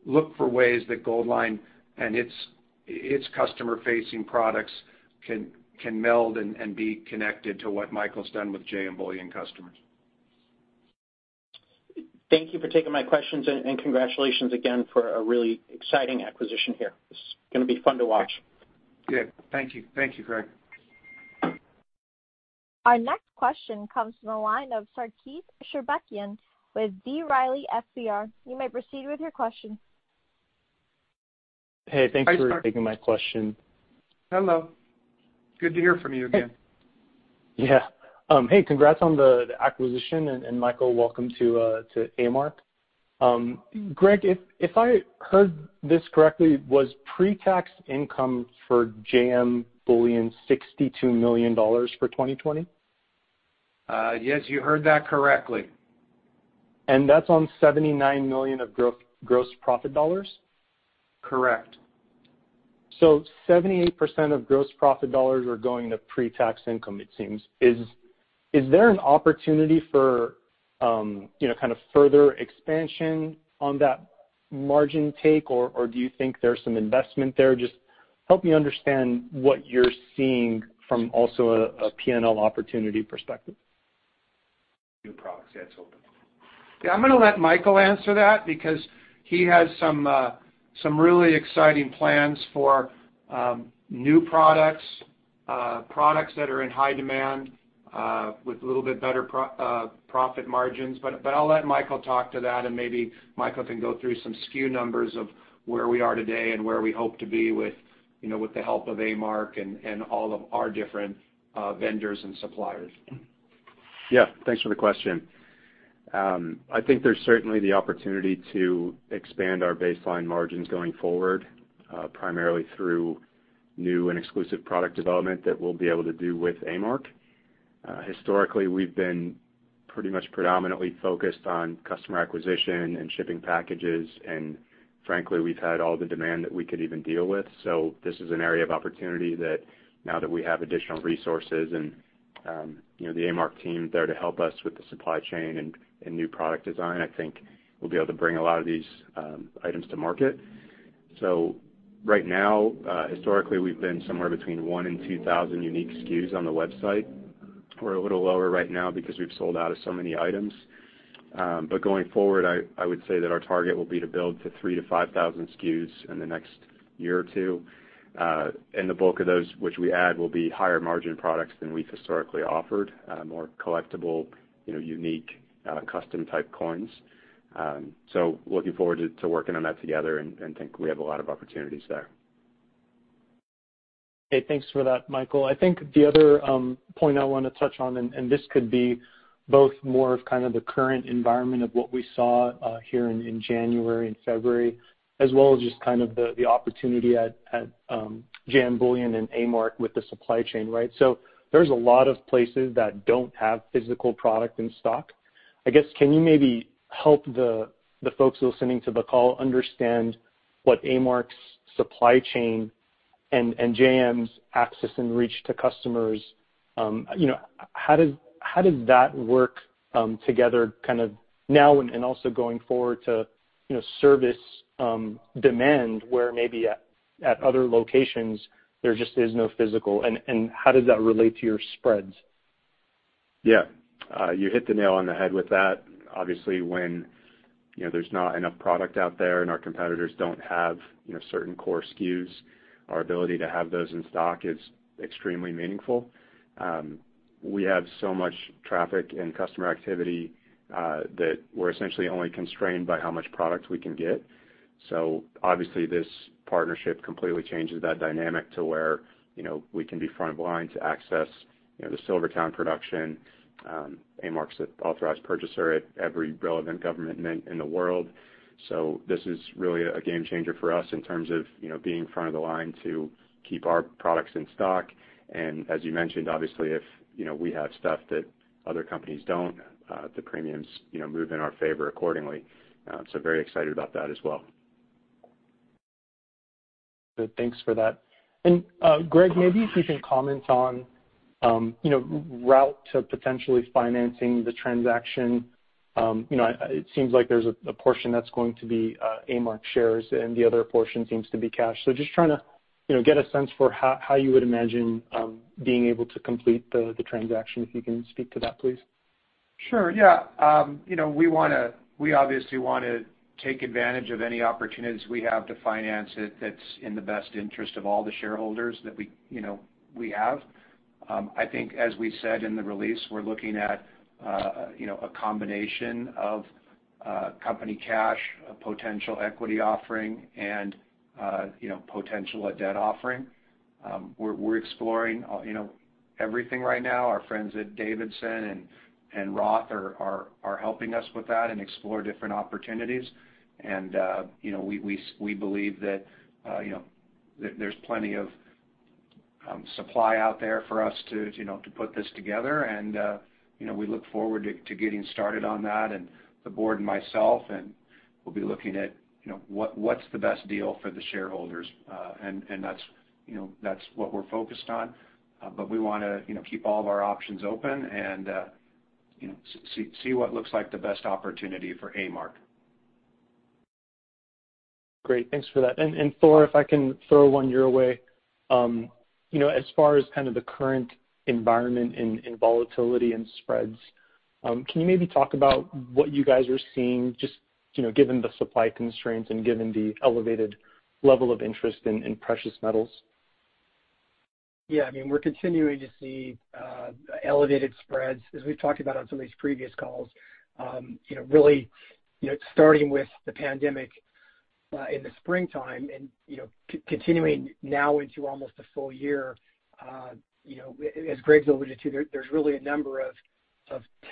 Speaker 2: look for ways that Goldline and its customer-facing products can meld and be connected to what Michael's done with JM Bullion customers.
Speaker 6: Thank you for taking my questions, and congratulations again for a really exciting acquisition here. This is going to be fun to watch.
Speaker 2: Good. Thank you, Craig.
Speaker 1: Our next question comes from the line of Sarkis Sherbetchyan with B. Riley FBR. You may proceed with your question.
Speaker 7: Hey, thanks.
Speaker 2: Hi, Sarkis.
Speaker 7: taking my question.
Speaker 2: Hello. Good to hear from you again.
Speaker 7: Yeah. Hey, congrats on the acquisition, and Michael, welcome to A-Mark. Greg, if I heard this correctly, was pre-tax income for JM Bullion $62 million for 2020?
Speaker 2: Yes, you heard that correctly.
Speaker 7: That's on $79 million of gross profit?
Speaker 2: Correct.
Speaker 7: 78% of gross profit dollars are going to pre-tax income, it seems. Is there an opportunity for further expansion on that margin take, or do you think there's some investment there? Just help me understand what you're seeing from also a P&L opportunity perspective.
Speaker 2: New products. Yeah, it's open. I'm going to let Michael answer that because he has some really exciting plans for new products that are in high demand with a little bit better profit margins. I'll let Michael talk to that, and maybe Michael can go through some SKU numbers of where we are today and where we hope to be with the help of A-Mark and all of our different vendors and suppliers.
Speaker 3: Yeah. Thanks for the question. I think there's certainly the opportunity to expand our baseline margins going forward primarily through new and exclusive product development that we'll be able to do with A-Mark. Historically, we've been pretty much predominantly focused on customer acquisition and shipping packages, and frankly, we've had all the demand that we could even deal with. This is an area of opportunity that now that we have additional resources and the A-Mark team there to help us with the supply chain and new product design, I think we'll be able to bring a lot of these items to market. Right now, historically, we've been somewhere between one and 2,000 unique SKUs on the website. We're a little lower right now because we've sold out of so many items. Going forward, I would say that our target will be to build to three to 5,000 SKUs in the next year or two. The bulk of those which we add will be higher margin products than we've historically offered, more collectible, unique, custom type coins. Looking forward to working on that together and think we have a lot of opportunities there.
Speaker 7: Okay. Thanks for that, Michael. I think the other point I want to touch on, and this could be both more of the current environment of what we saw here in January and February, as well as just the opportunity at JM Bullion and A-Mark with the supply chain, right? There's a lot of places that don't have physical product in stock. I guess, can you maybe help the folks listening to the call understand what A-Mark's supply chain and JM's access and reach to customers, how does that work together now and also going forward to service demand where maybe at other locations there just is no physical, and how does that relate to your spreads?
Speaker 3: Yeah. You hit the nail on the head with that. Obviously, when there's not enough product out there and our competitors don't have certain core SKUs, our ability to have those in stock is extremely meaningful. We have so much traffic and customer activity that we're essentially only constrained by how much product we can get. Obviously, this partnership completely changes that dynamic to where we can be front of line to access the SilverTowne production. A-Mark's the authorized purchaser at every relevant government mint in the world. This is really a game changer for us in terms of being front of the line to keep our products in stock. As you mentioned, obviously, if we have stuff that other companies don't, the premiums move in our favor accordingly. Very excited about that as well.
Speaker 7: Good. Thanks for that. Greg, maybe if you can comment on route to potentially financing the transaction? It seems like there's a portion that's going to be A-Mark shares, and the other portion seems to be cash. Just trying to get a sense for how you would imagine being able to complete the transaction, if you can speak to that, please?
Speaker 2: Sure. Yeah. We obviously want to take advantage of any opportunities we have to finance it that's in the best interest of all the shareholders that we have. I think as we said in the release, we're looking at a combination of company cash, a potential equity offering, and potential a debt offering. We're exploring everything right now. Our friends at Davidson and Roth are helping us with that and explore different opportunities. We believe that there's plenty of supply out there for us to put this together, and we look forward to getting started on that. The board and myself, and we'll be looking at what's the best deal for the shareholders. That's what we're focused on. We want to keep all of our options open and see what looks like the best opportunity for A-Mark.
Speaker 7: Great. Thanks for that. Thor, if I can throw one your way. As far as the current environment in volatility and spreads, can you maybe talk about what you guys are seeing, just given the supply constraints and given the elevated level of interest in precious metals?
Speaker 5: Yeah. We're continuing to see elevated spreads, as we've talked about on some of these previous calls. Really starting with the pandemic in the springtime and continuing now into almost a full year, as Greg's alluded to, there's really a number of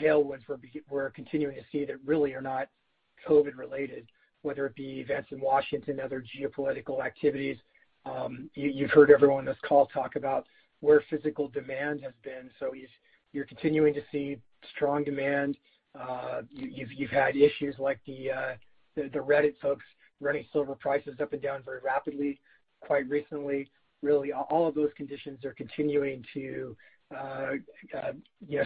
Speaker 5: tailwinds we're continuing to see that really are not COVID related, whether it be events in Washington or other geopolitical activities. You've heard everyone on this call talk about where physical demand has been. You're continuing to see strong demand. You've had issues like the Reddit folks running silver prices up and down very rapidly quite recently. Really, all of those conditions are continuing to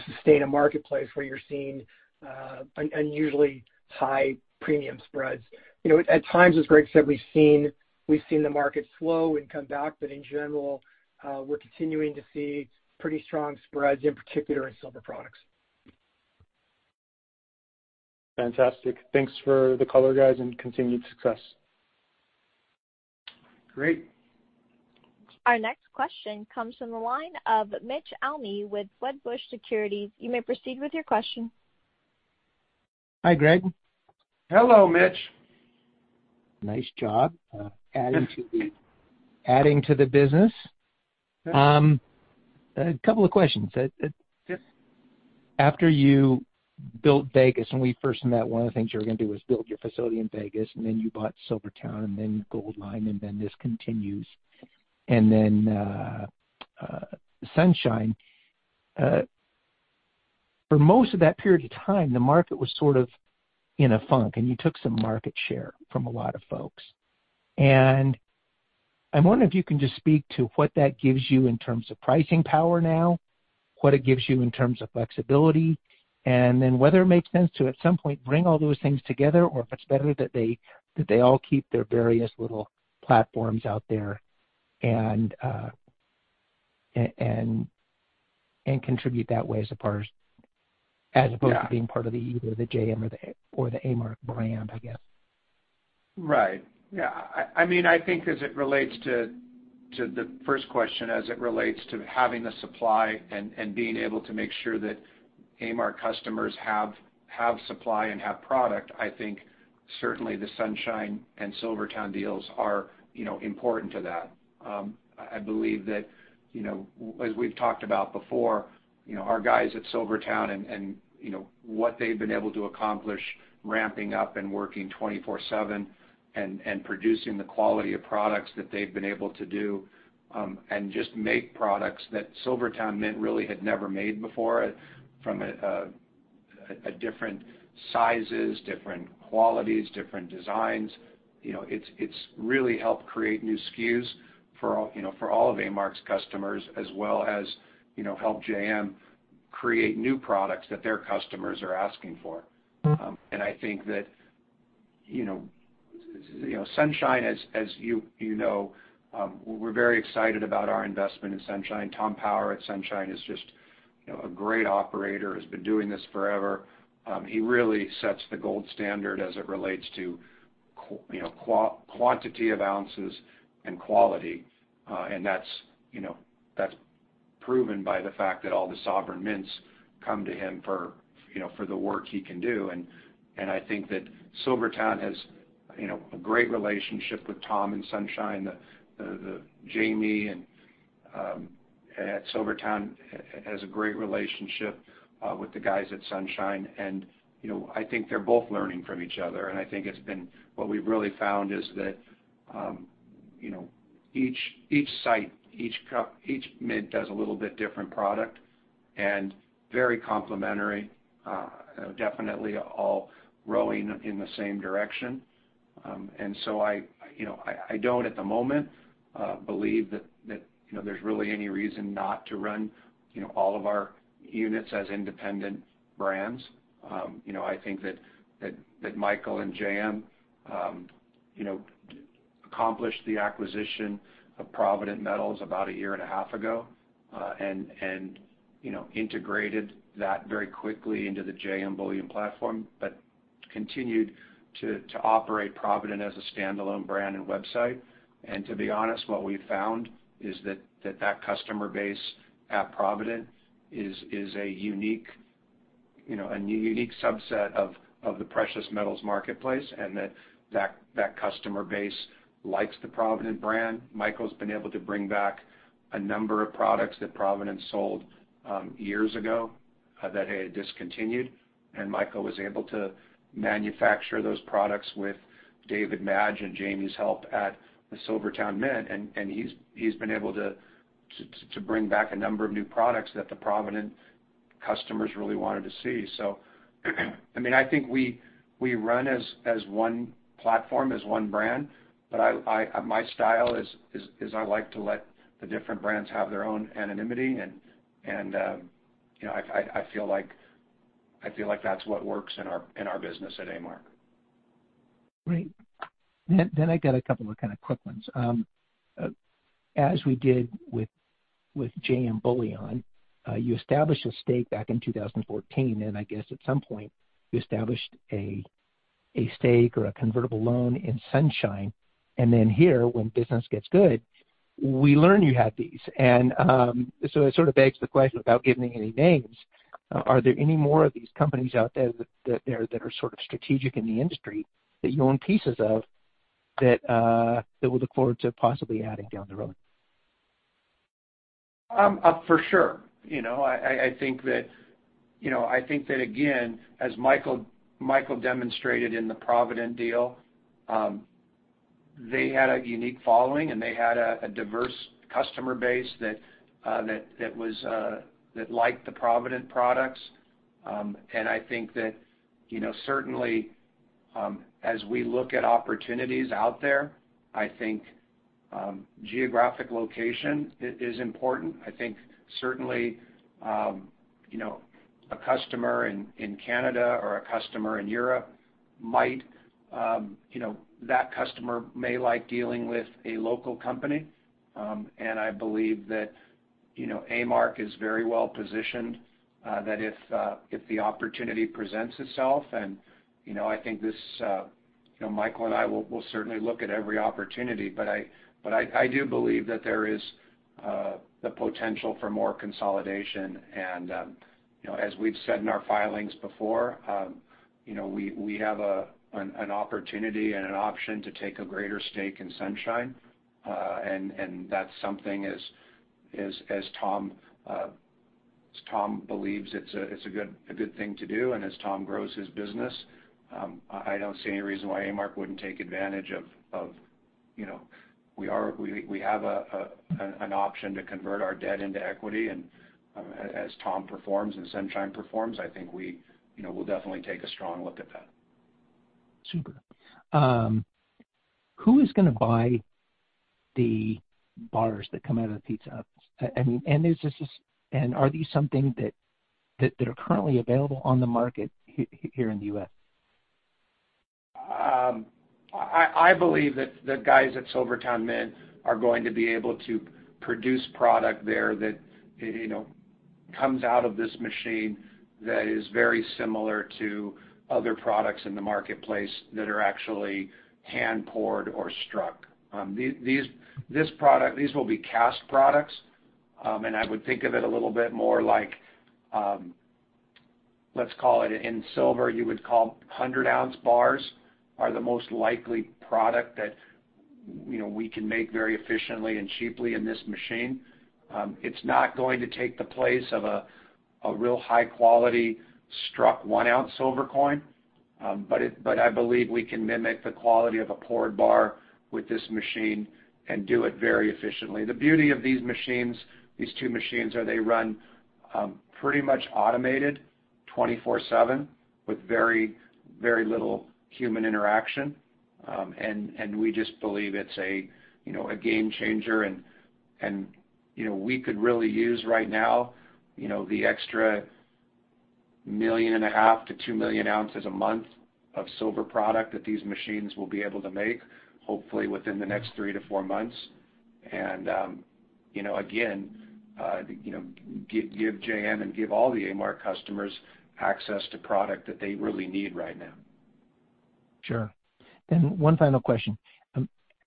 Speaker 5: sustain a marketplace where you're seeing unusually high premium spreads. At times, as Greg said, we've seen the market slow and come back, but in general, we're continuing to see pretty strong spreads, in particular in silver products.
Speaker 7: Fantastic. Thanks for the color, guys, and continued success.
Speaker 2: Great.
Speaker 1: Our next question comes from the line of Mitch Almy with Wedbush Securities. You may proceed with your question.
Speaker 8: Hi, Greg.
Speaker 2: Hello, Mitch.
Speaker 8: Nice job adding to the business.
Speaker 2: Yes.
Speaker 8: A couple of questions.
Speaker 2: Yes.
Speaker 8: After you built Vegas, when we first met, one of the things you were going to do was build your facility in Vegas, and then you bought SilverTowne and then Goldline, and then this continues. Sunshine. For most of that period of time, the market was sort of in a funk, and you took some market share from a lot of folks. I wonder if you can just speak to what that gives you in terms of pricing power now, what it gives you in terms of flexibility, and then whether it makes sense to, at some point, bring all those things together, or if it's better that they all keep their various little platforms out there and contribute that way as opposed to being part of either the JM or the A-Mark brand, I guess.
Speaker 2: Right. Yeah. I think as it relates to the first question, as it relates to having the supply and being able to make sure that A-Mark customers have supply and have product, I think certainly the Sunshine and SilverTowne deals are important to that. I believe that, as we've talked about before, our guys at SilverTowne and what they've been able to accomplish ramping up and working 24/7and producing the quality of products that they've been able to do, and just make products that SilverTowne Mint really had never made before from different sizes, different qualities, different designs. It's really helped create new SKUs for all of A-Mark's customers as well as help JM create new products that their customers are asking for. I think that Sunshine, as you know, we're very excited about our investment in Sunshine. Tom Power at Sunshine is just a great operator, has been doing this forever. He really sets the gold standard as it relates to quantity of ounces and quality, and that's proven by the fact that all the sovereign mints come to him for the work he can do. I think that SilverTowne has a great relationship with Tom and Sunshine. Jamie at SilverTowne has a great relationship with the guys at Sunshine, and I think they're both learning from each other. I think what we've really found is that each site, each mint does a little bit different product and very complementary. Definitely all rowing in the same direction. I don't, at the moment, believe that there's really any reason not to run all of our units as independent brands. I think that Michael and JM accomplished the acquisition of Provident Metals about a year and a half ago, and integrated that very quickly into the JM Bullion platform, but continued to operate Provident as a standalone brand and website. To be honest, what we've found is that that customer base at Provident is a unique subset of the precious metals marketplace, and that customer base likes the Provident brand. Michael's been able to bring back a number of products that Provident sold years ago that they had discontinued, and Michael was able to manufacture those products with David Madge and Jamie's help at the SilverTowne Mint. He's been able to bring back a number of new products that the Provident customers really wanted to see. I think we run as one platform, as one brand, but my style is I like to let the different brands have their own anonymity, and I feel like that's what works in our business at A-Mark.
Speaker 8: Great. I got a couple of kind of quick ones. As we did with JM Bullion, you established a stake back in 2014. I guess at some point you established a stake or a convertible loan in Sunshine. Here, when business gets good, we learn you had these. It sort of begs the question, without giving any names, are there any more of these companies out there that are sort of strategic in the industry that you own pieces of, that we'll look forward to possibly adding down the road?
Speaker 2: For sure. I think that, again, as Michael demonstrated in the Provident deal, they had a unique following, and they had a diverse customer base that liked the Provident products. I think that certainly, as we look at opportunities out there, I think geographic location is important. I think certainly, a customer in Canada or a customer in Europe, that customer may like dealing with a local company. I believe that A-Mark is very well positioned, that if the opportunity presents itself and I think Michael and I will certainly look at every opportunity, but I do believe that there is the potential for more consolidation. As we've said in our filings before, we have an opportunity and an option to take a greater stake in Sunshine. That's something, as Tom believes it's a good thing to do, and as Tom grows his business, I don't see any reason why A-Mark wouldn't take advantage of We have an option to convert our debt into equity, and as Tom performs and Sunshine performs, I think we'll definitely take a strong look at that.
Speaker 8: Super. Who is going to buy the bars that come out of the pizza ovens? Are these something that are currently available on the market here in the U.S.?
Speaker 2: I believe that the guys at SilverTowne Mint are going to be able to produce product there that comes out of this machine that is very similar to other products in the marketplace that are actually hand-poured or struck. These will be cast products, and I would think of it a little bit more like, let's call it in silver, you would call 100-ounce bars are the most likely product that we can make very efficiently and cheaply in this machine. It's not going to take the place of a real high-quality struck 1-ounce silver coin. I believe we can mimic the quality of a poured bar with this machine and do it very efficiently. The beauty of these two machines are they run pretty much automated 24/7 with very little human interaction. We just believe it's a game changer, we could really use right now the extra 1.5 million to 2 million ounces a month of silver product that these machines will be able to make, hopefully within the next three to four months. Again, give JM and give all the A-Mark customers access to product that they really need right now.
Speaker 8: Sure. One final question.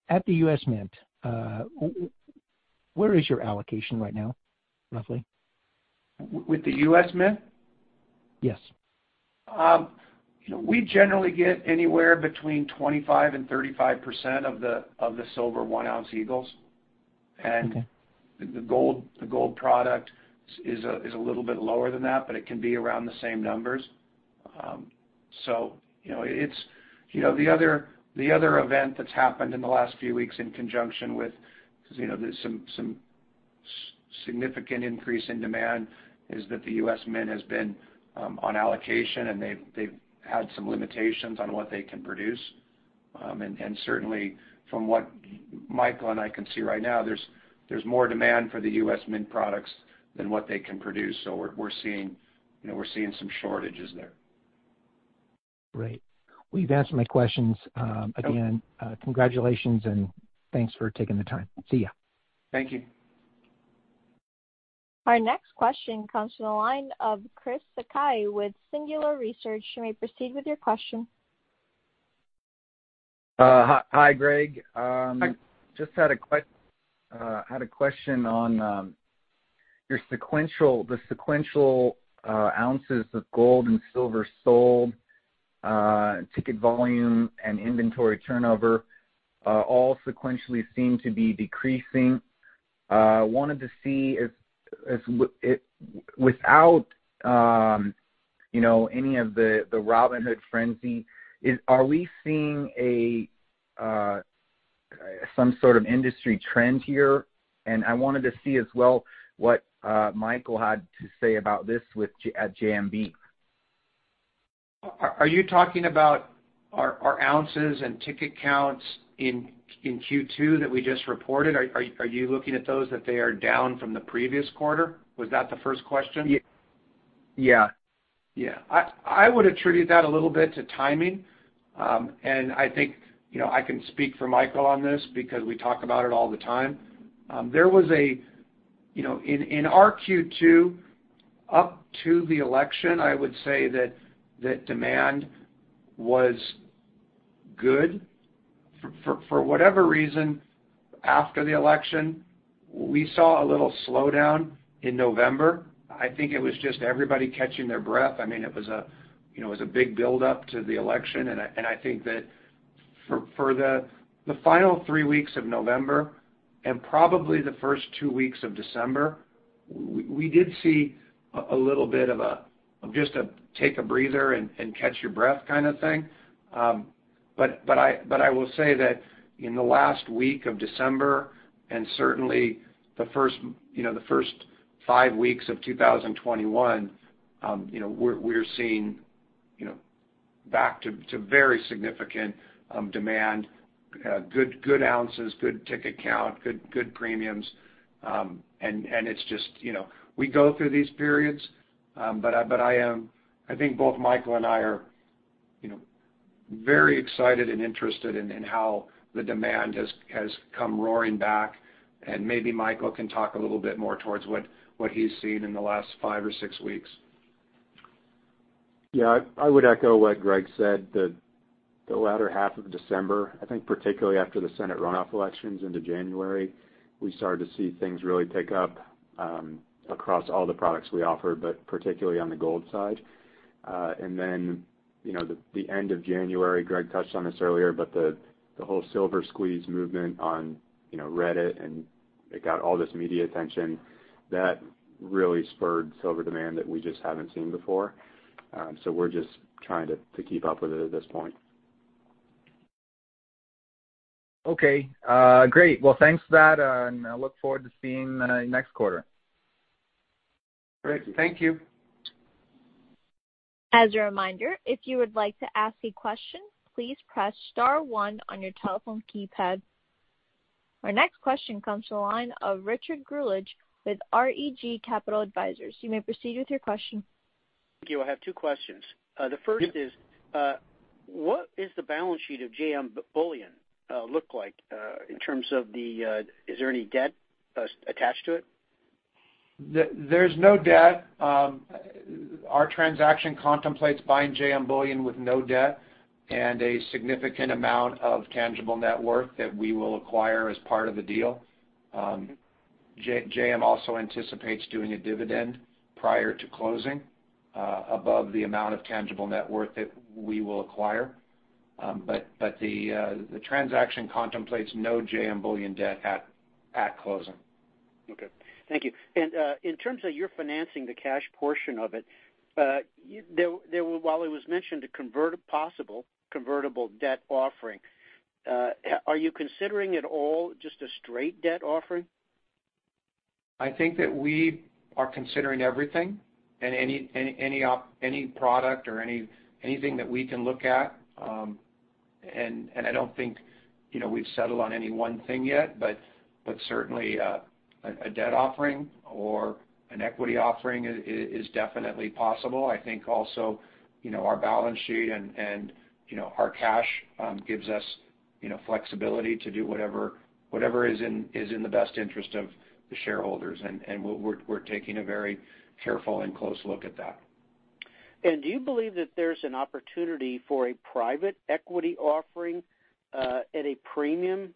Speaker 8: At the U.S. Mint, where is your allocation right now, roughly?
Speaker 2: With the U.S. Mint?
Speaker 8: Yes.
Speaker 2: We generally get anywhere between 25% and 35% of the silver 1-ounce Eagles.
Speaker 8: Okay.
Speaker 2: The gold product is a little bit lower than that, but it can be around the same numbers. The other event that's happened in the last few weeks in conjunction with, because there's some significant increase in demand, is that the U.S. Mint has been on allocation, and they've had some limitations on what they can produce. Certainly from what Michael and I can see right now, there's more demand for the U.S. Mint products than what they can produce. We're seeing some shortages there.
Speaker 8: Great. Well, you've answered my questions.
Speaker 2: Okay.
Speaker 8: Congratulations and thanks for taking the time. See you.
Speaker 2: Thank you.
Speaker 1: Our next question comes from the line of Chris Sakai with Singular Research. You may proceed with your question.
Speaker 9: Hi, Greg.
Speaker 2: Hi.
Speaker 9: Just had a question on the sequential ounces of gold and silver sold, ticket volume, and inventory turnover all sequentially seem to be decreasing. Wanted to see without any of the Robinhood frenzy, are we seeing some sort of industry trend here, and I wanted to see as well what Michael had to say about this at JMB?
Speaker 2: Are you talking about our ounces and ticket counts in Q2 that we just reported? Are you looking at those that they are down from the previous quarter? Was that the first question?
Speaker 9: Yeah.
Speaker 2: Yeah. I would attribute that a little bit to timing. I think I can speak for Michael on this because we talk about it all the time. In our Q2, up to the election, I would say that demand was good. For whatever reason, after the election, we saw a little slowdown in November. I think it was just everybody catching their breath. It was a big build-up to the election, and I think that for the final three weeks of November and probably the first two weeks of December, we did see a little bit of just a take a breather and catch your breath kind of thing. I will say that in the last week of December and certainly the first five weeks of 2021, we're seeing back to very significant demand, good ounces, good ticket count, good premiums. It's just we go through these periods, but I think both Michael and I are very excited and interested in how the demand has come roaring back. Maybe Michael can talk a little bit more towards what he's seen in the last five or six weeks.
Speaker 3: Yeah, I would echo what Greg said, that the latter half of December, I think particularly after the Senate runoff elections into January, we started to see things really pick up across all the products we offer, but particularly on the gold side. The end of January, Greg touched on this earlier, but the whole silver squeeze movement on Reddit, and it got all this media attention, that really spurred silver demand that we just haven't seen before. We're just trying to keep up with it at this point.
Speaker 9: Okay. Great. Well, thanks for that, and I look forward to seeing next quarter.
Speaker 2: Great. Thank you.
Speaker 1: As a reminder, if you would like to ask a question, please press star one on your telephone keypad. Our next question comes from the line of Richard Greulich with REG Capital Advisors. You may proceed with your question.
Speaker 10: Thank you. I have two questions. The first is, what is the balance sheet of JM Bullion look like in terms of the, is there any debt attached to it?
Speaker 2: There's no debt. Our transaction contemplates buying JM Bullion with no debt and a significant amount of tangible net worth that we will acquire as part of the deal. JM also anticipates doing a dividend prior to closing above the amount of tangible net worth that we will acquire. The transaction contemplates no JM Bullion debt at closing.
Speaker 10: Okay. Thank you. In terms of your financing the cash portion of it, while it was mentioned a possible convertible debt offering, are you considering at all just a straight debt offering?
Speaker 2: I think that we are considering everything and any product or anything that we can look at. I don't think we've settled on any one thing yet, but certainly a debt offering or an equity offering is definitely possible. I think also our balance sheet and our cash gives us flexibility to do whatever is in the best interest of the shareholders, and we're taking a very careful and close look at that.
Speaker 10: Do you believe that there's an opportunity for a private equity offering at a premium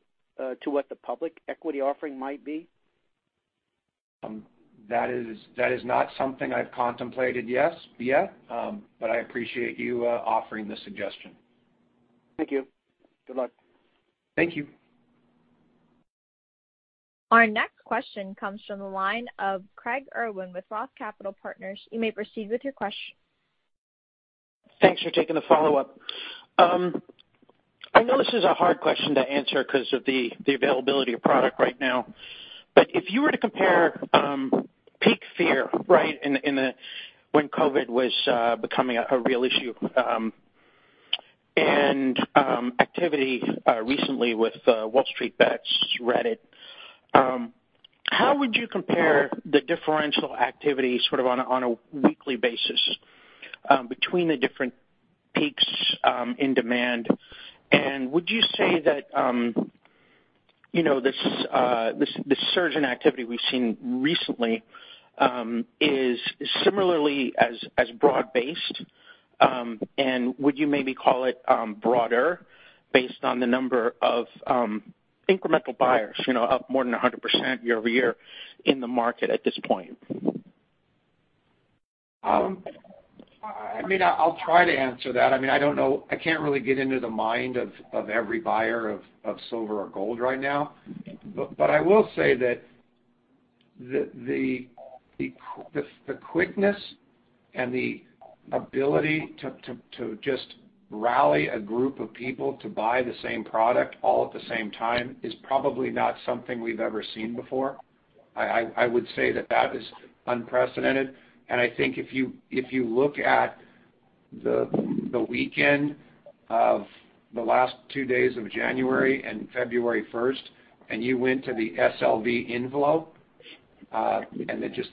Speaker 10: to what the public equity offering might be?
Speaker 2: That is not something I've contemplated yet, but I appreciate you offering the suggestion.
Speaker 10: Thank you. Good luck.
Speaker 2: Thank you.
Speaker 1: Our next question comes from the line of Craig Irwin with Roth Capital Partners. You may proceed with your question.
Speaker 6: Thanks for taking the follow-up. I know this is a hard question to answer because of the availability of product right now. If you were to compare peak fear when COVID was becoming a real issue, and activity recently with WallStreetBets, Reddit, how would you compare the differential activity sort of on a weekly basis between the different peaks in demand? Would you say that this surge in activity we've seen recently is similarly as broad-based, and would you maybe call it broader based on the number of incremental buyers up more than 100% year-over-year in the market at this point?
Speaker 2: I'll try to answer that. I don't know. I can't really get into the mind of every buyer of silver or gold right now. I will say that the quickness and the ability to just rally a group of people to buy the same product all at the same time is probably not something we've ever seen before. I would say that is unprecedented. I think if you look at the weekend of the last two days of January and February 1st, and you went to the SLV ETF, and just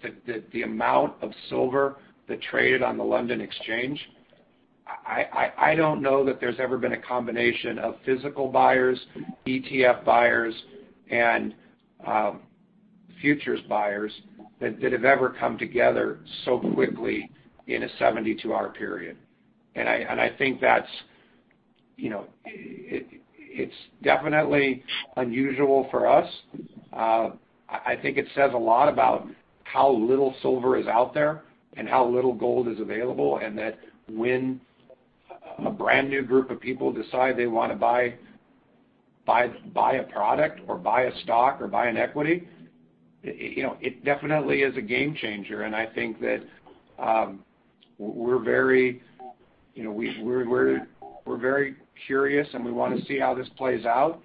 Speaker 2: the amount of silver that traded on the London Metal Exchange, I don't know that there's ever been a combination of physical buyers, ETF buyers, and futures buyers that have ever come together so quickly in a 72-hour period. I think that it's definitely unusual for us. I think it says a lot about how little silver is out there and how little gold is available. When a brand new group of people decide they want to buy a product or buy a stock or buy an equity, it definitely is a game changer. I think that we're very curious. We want to see how this plays out.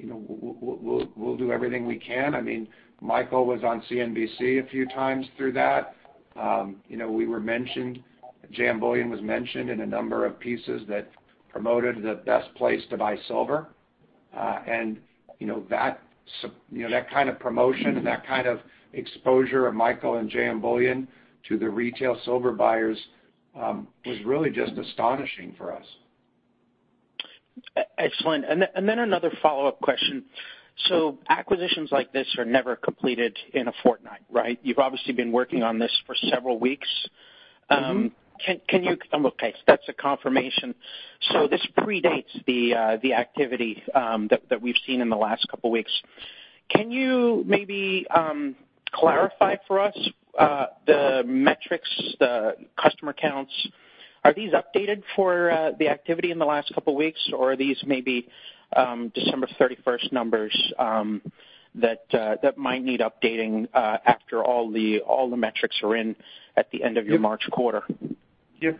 Speaker 2: We'll do everything we can. Michael was on CNBC a few times through that. We were mentioned, JM Bullion was mentioned in a number of pieces that promoted the best place to buy silver. That kind of promotion and that kind of exposure of Michael and JM Bullion to the retail silver buyers, was really just astonishing for us.
Speaker 6: Excellent. Another follow-up question. Acquisitions like this are never completed in a fortnight, right? You've obviously been working on this for several weeks. Okay. That's a confirmation. This predates the activity that we've seen in the last couple of weeks. Can you maybe clarify for us the metrics, the customer counts? Are these updated for the activity in the last couple of weeks, or are these maybe December 31st numbers that might need updating after all the metrics are in at the end of your March quarter?
Speaker 2: Yep.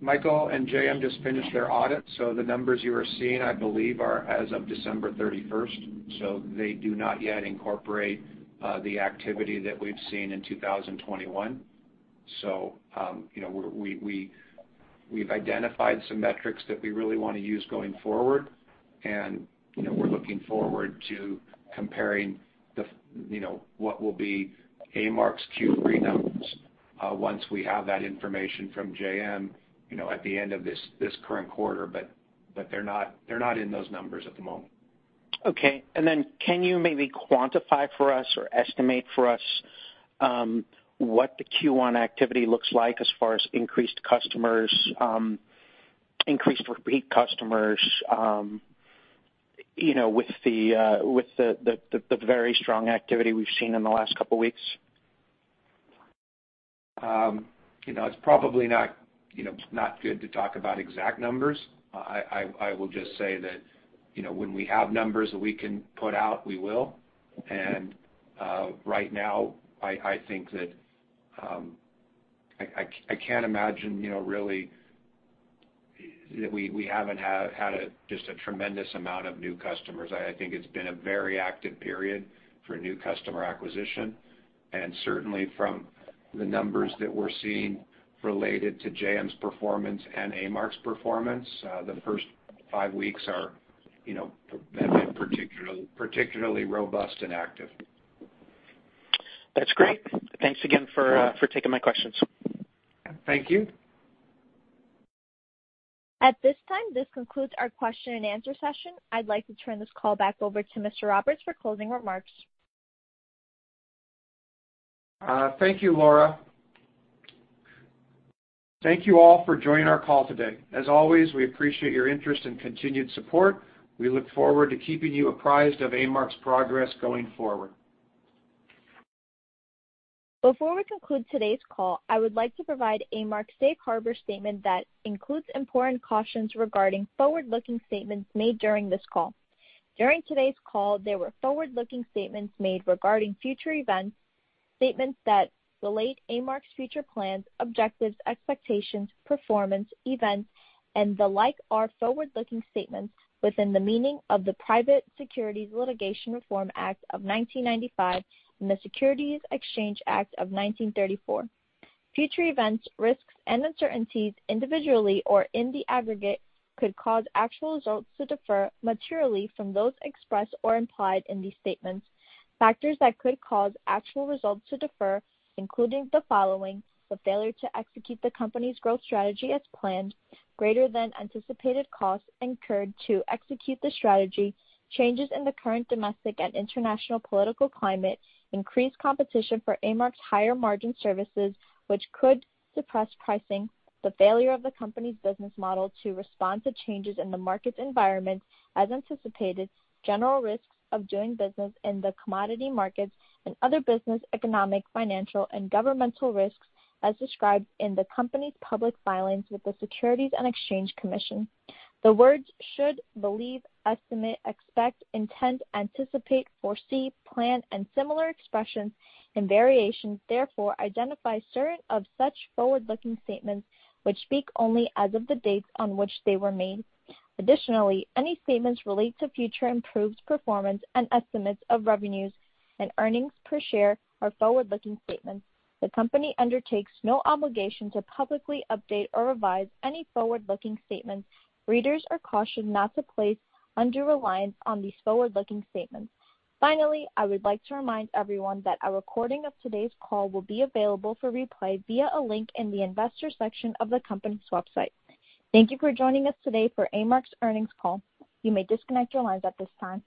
Speaker 2: Michael and JM just finished their audit. The numbers you are seeing, I believe, are as of December 31st. They do not yet incorporate the activity that we've seen in 2021. We've identified some metrics that we really want to use going forward, and we're looking forward to comparing what will be A-Mark's Q3 numbers once we have that information from JM at the end of this current quarter. They're not in those numbers at the moment.
Speaker 6: Okay. Can you maybe quantify for us or estimate for us what the Q1 activity looks like as far as increased customers, increased repeat customers with the very strong activity we've seen in the last couple of weeks?
Speaker 2: It's probably not good to talk about exact numbers. I will just say that when we have numbers that we can put out, we will. Right now, I think that I can't imagine really that we haven't had just a tremendous amount of new customers. I think it's been a very active period for new customer acquisition, and certainly from the numbers that we're seeing related to JM's performance and A-Mark's performance, the first five weeks have been particularly robust and active.
Speaker 6: That's great. Thanks again for taking my questions.
Speaker 2: Thank you.
Speaker 1: At this time, this concludes our question and answer session. I'd like to turn this call back over to Mr. Roberts for closing remarks.
Speaker 2: Thank you, Laura. Thank you all for joining our call today. As always, we appreciate your interest and continued support. We look forward to keeping you apprised of A-Mark's progress going forward.
Speaker 1: Before we conclude today's call, I would like to provide A-Mark's safe harbor statement that includes important cautions regarding forward-looking statements made during this call. During today's call, there were forward-looking statements made regarding future events. Statements that relate A-Mark's future plans, objectives, expectations, performance, events, and the like are forward-looking statements within the meaning of the Private Securities Litigation Reform Act of 1995 and the Securities Exchange Act of 1934. Future events, risks, and uncertainties individually or in the aggregate could cause actual results to differ materially from those expressed or implied in these statements. Factors that could cause actual results to differ include the following: the failure to execute the company's growth strategy as planned, greater than anticipated costs incurred to execute the strategy, changes in the current domestic and international political climate, increased competition for A-Mark's higher margin services, which could suppress pricing, the failure of the company's business model to respond to changes in the market environment as anticipated, general risks of doing business in the commodity markets, and other business, economic, financial, and governmental risks as described in the company's public filings with the Securities and Exchange Commission. The words should, believe, estimate, expect, intend, anticipate, foresee, plan, and similar expressions and variations therefore identify certain of such forward-looking statements which speak only as of the dates on which they were made. Additionally, any statements relate to future improved performance and estimates of revenues and earnings per share are forward-looking statements. The company undertakes no obligation to publicly update or revise any forward-looking statements. Readers are cautioned not to place undue reliance on these forward-looking statements. Finally, I would like to remind everyone that a recording of today's call will be available for replay via a link in the Investors section of the company's website. Thank you for joining us today for A-Mark's earnings call. You may disconnect your lines at this time.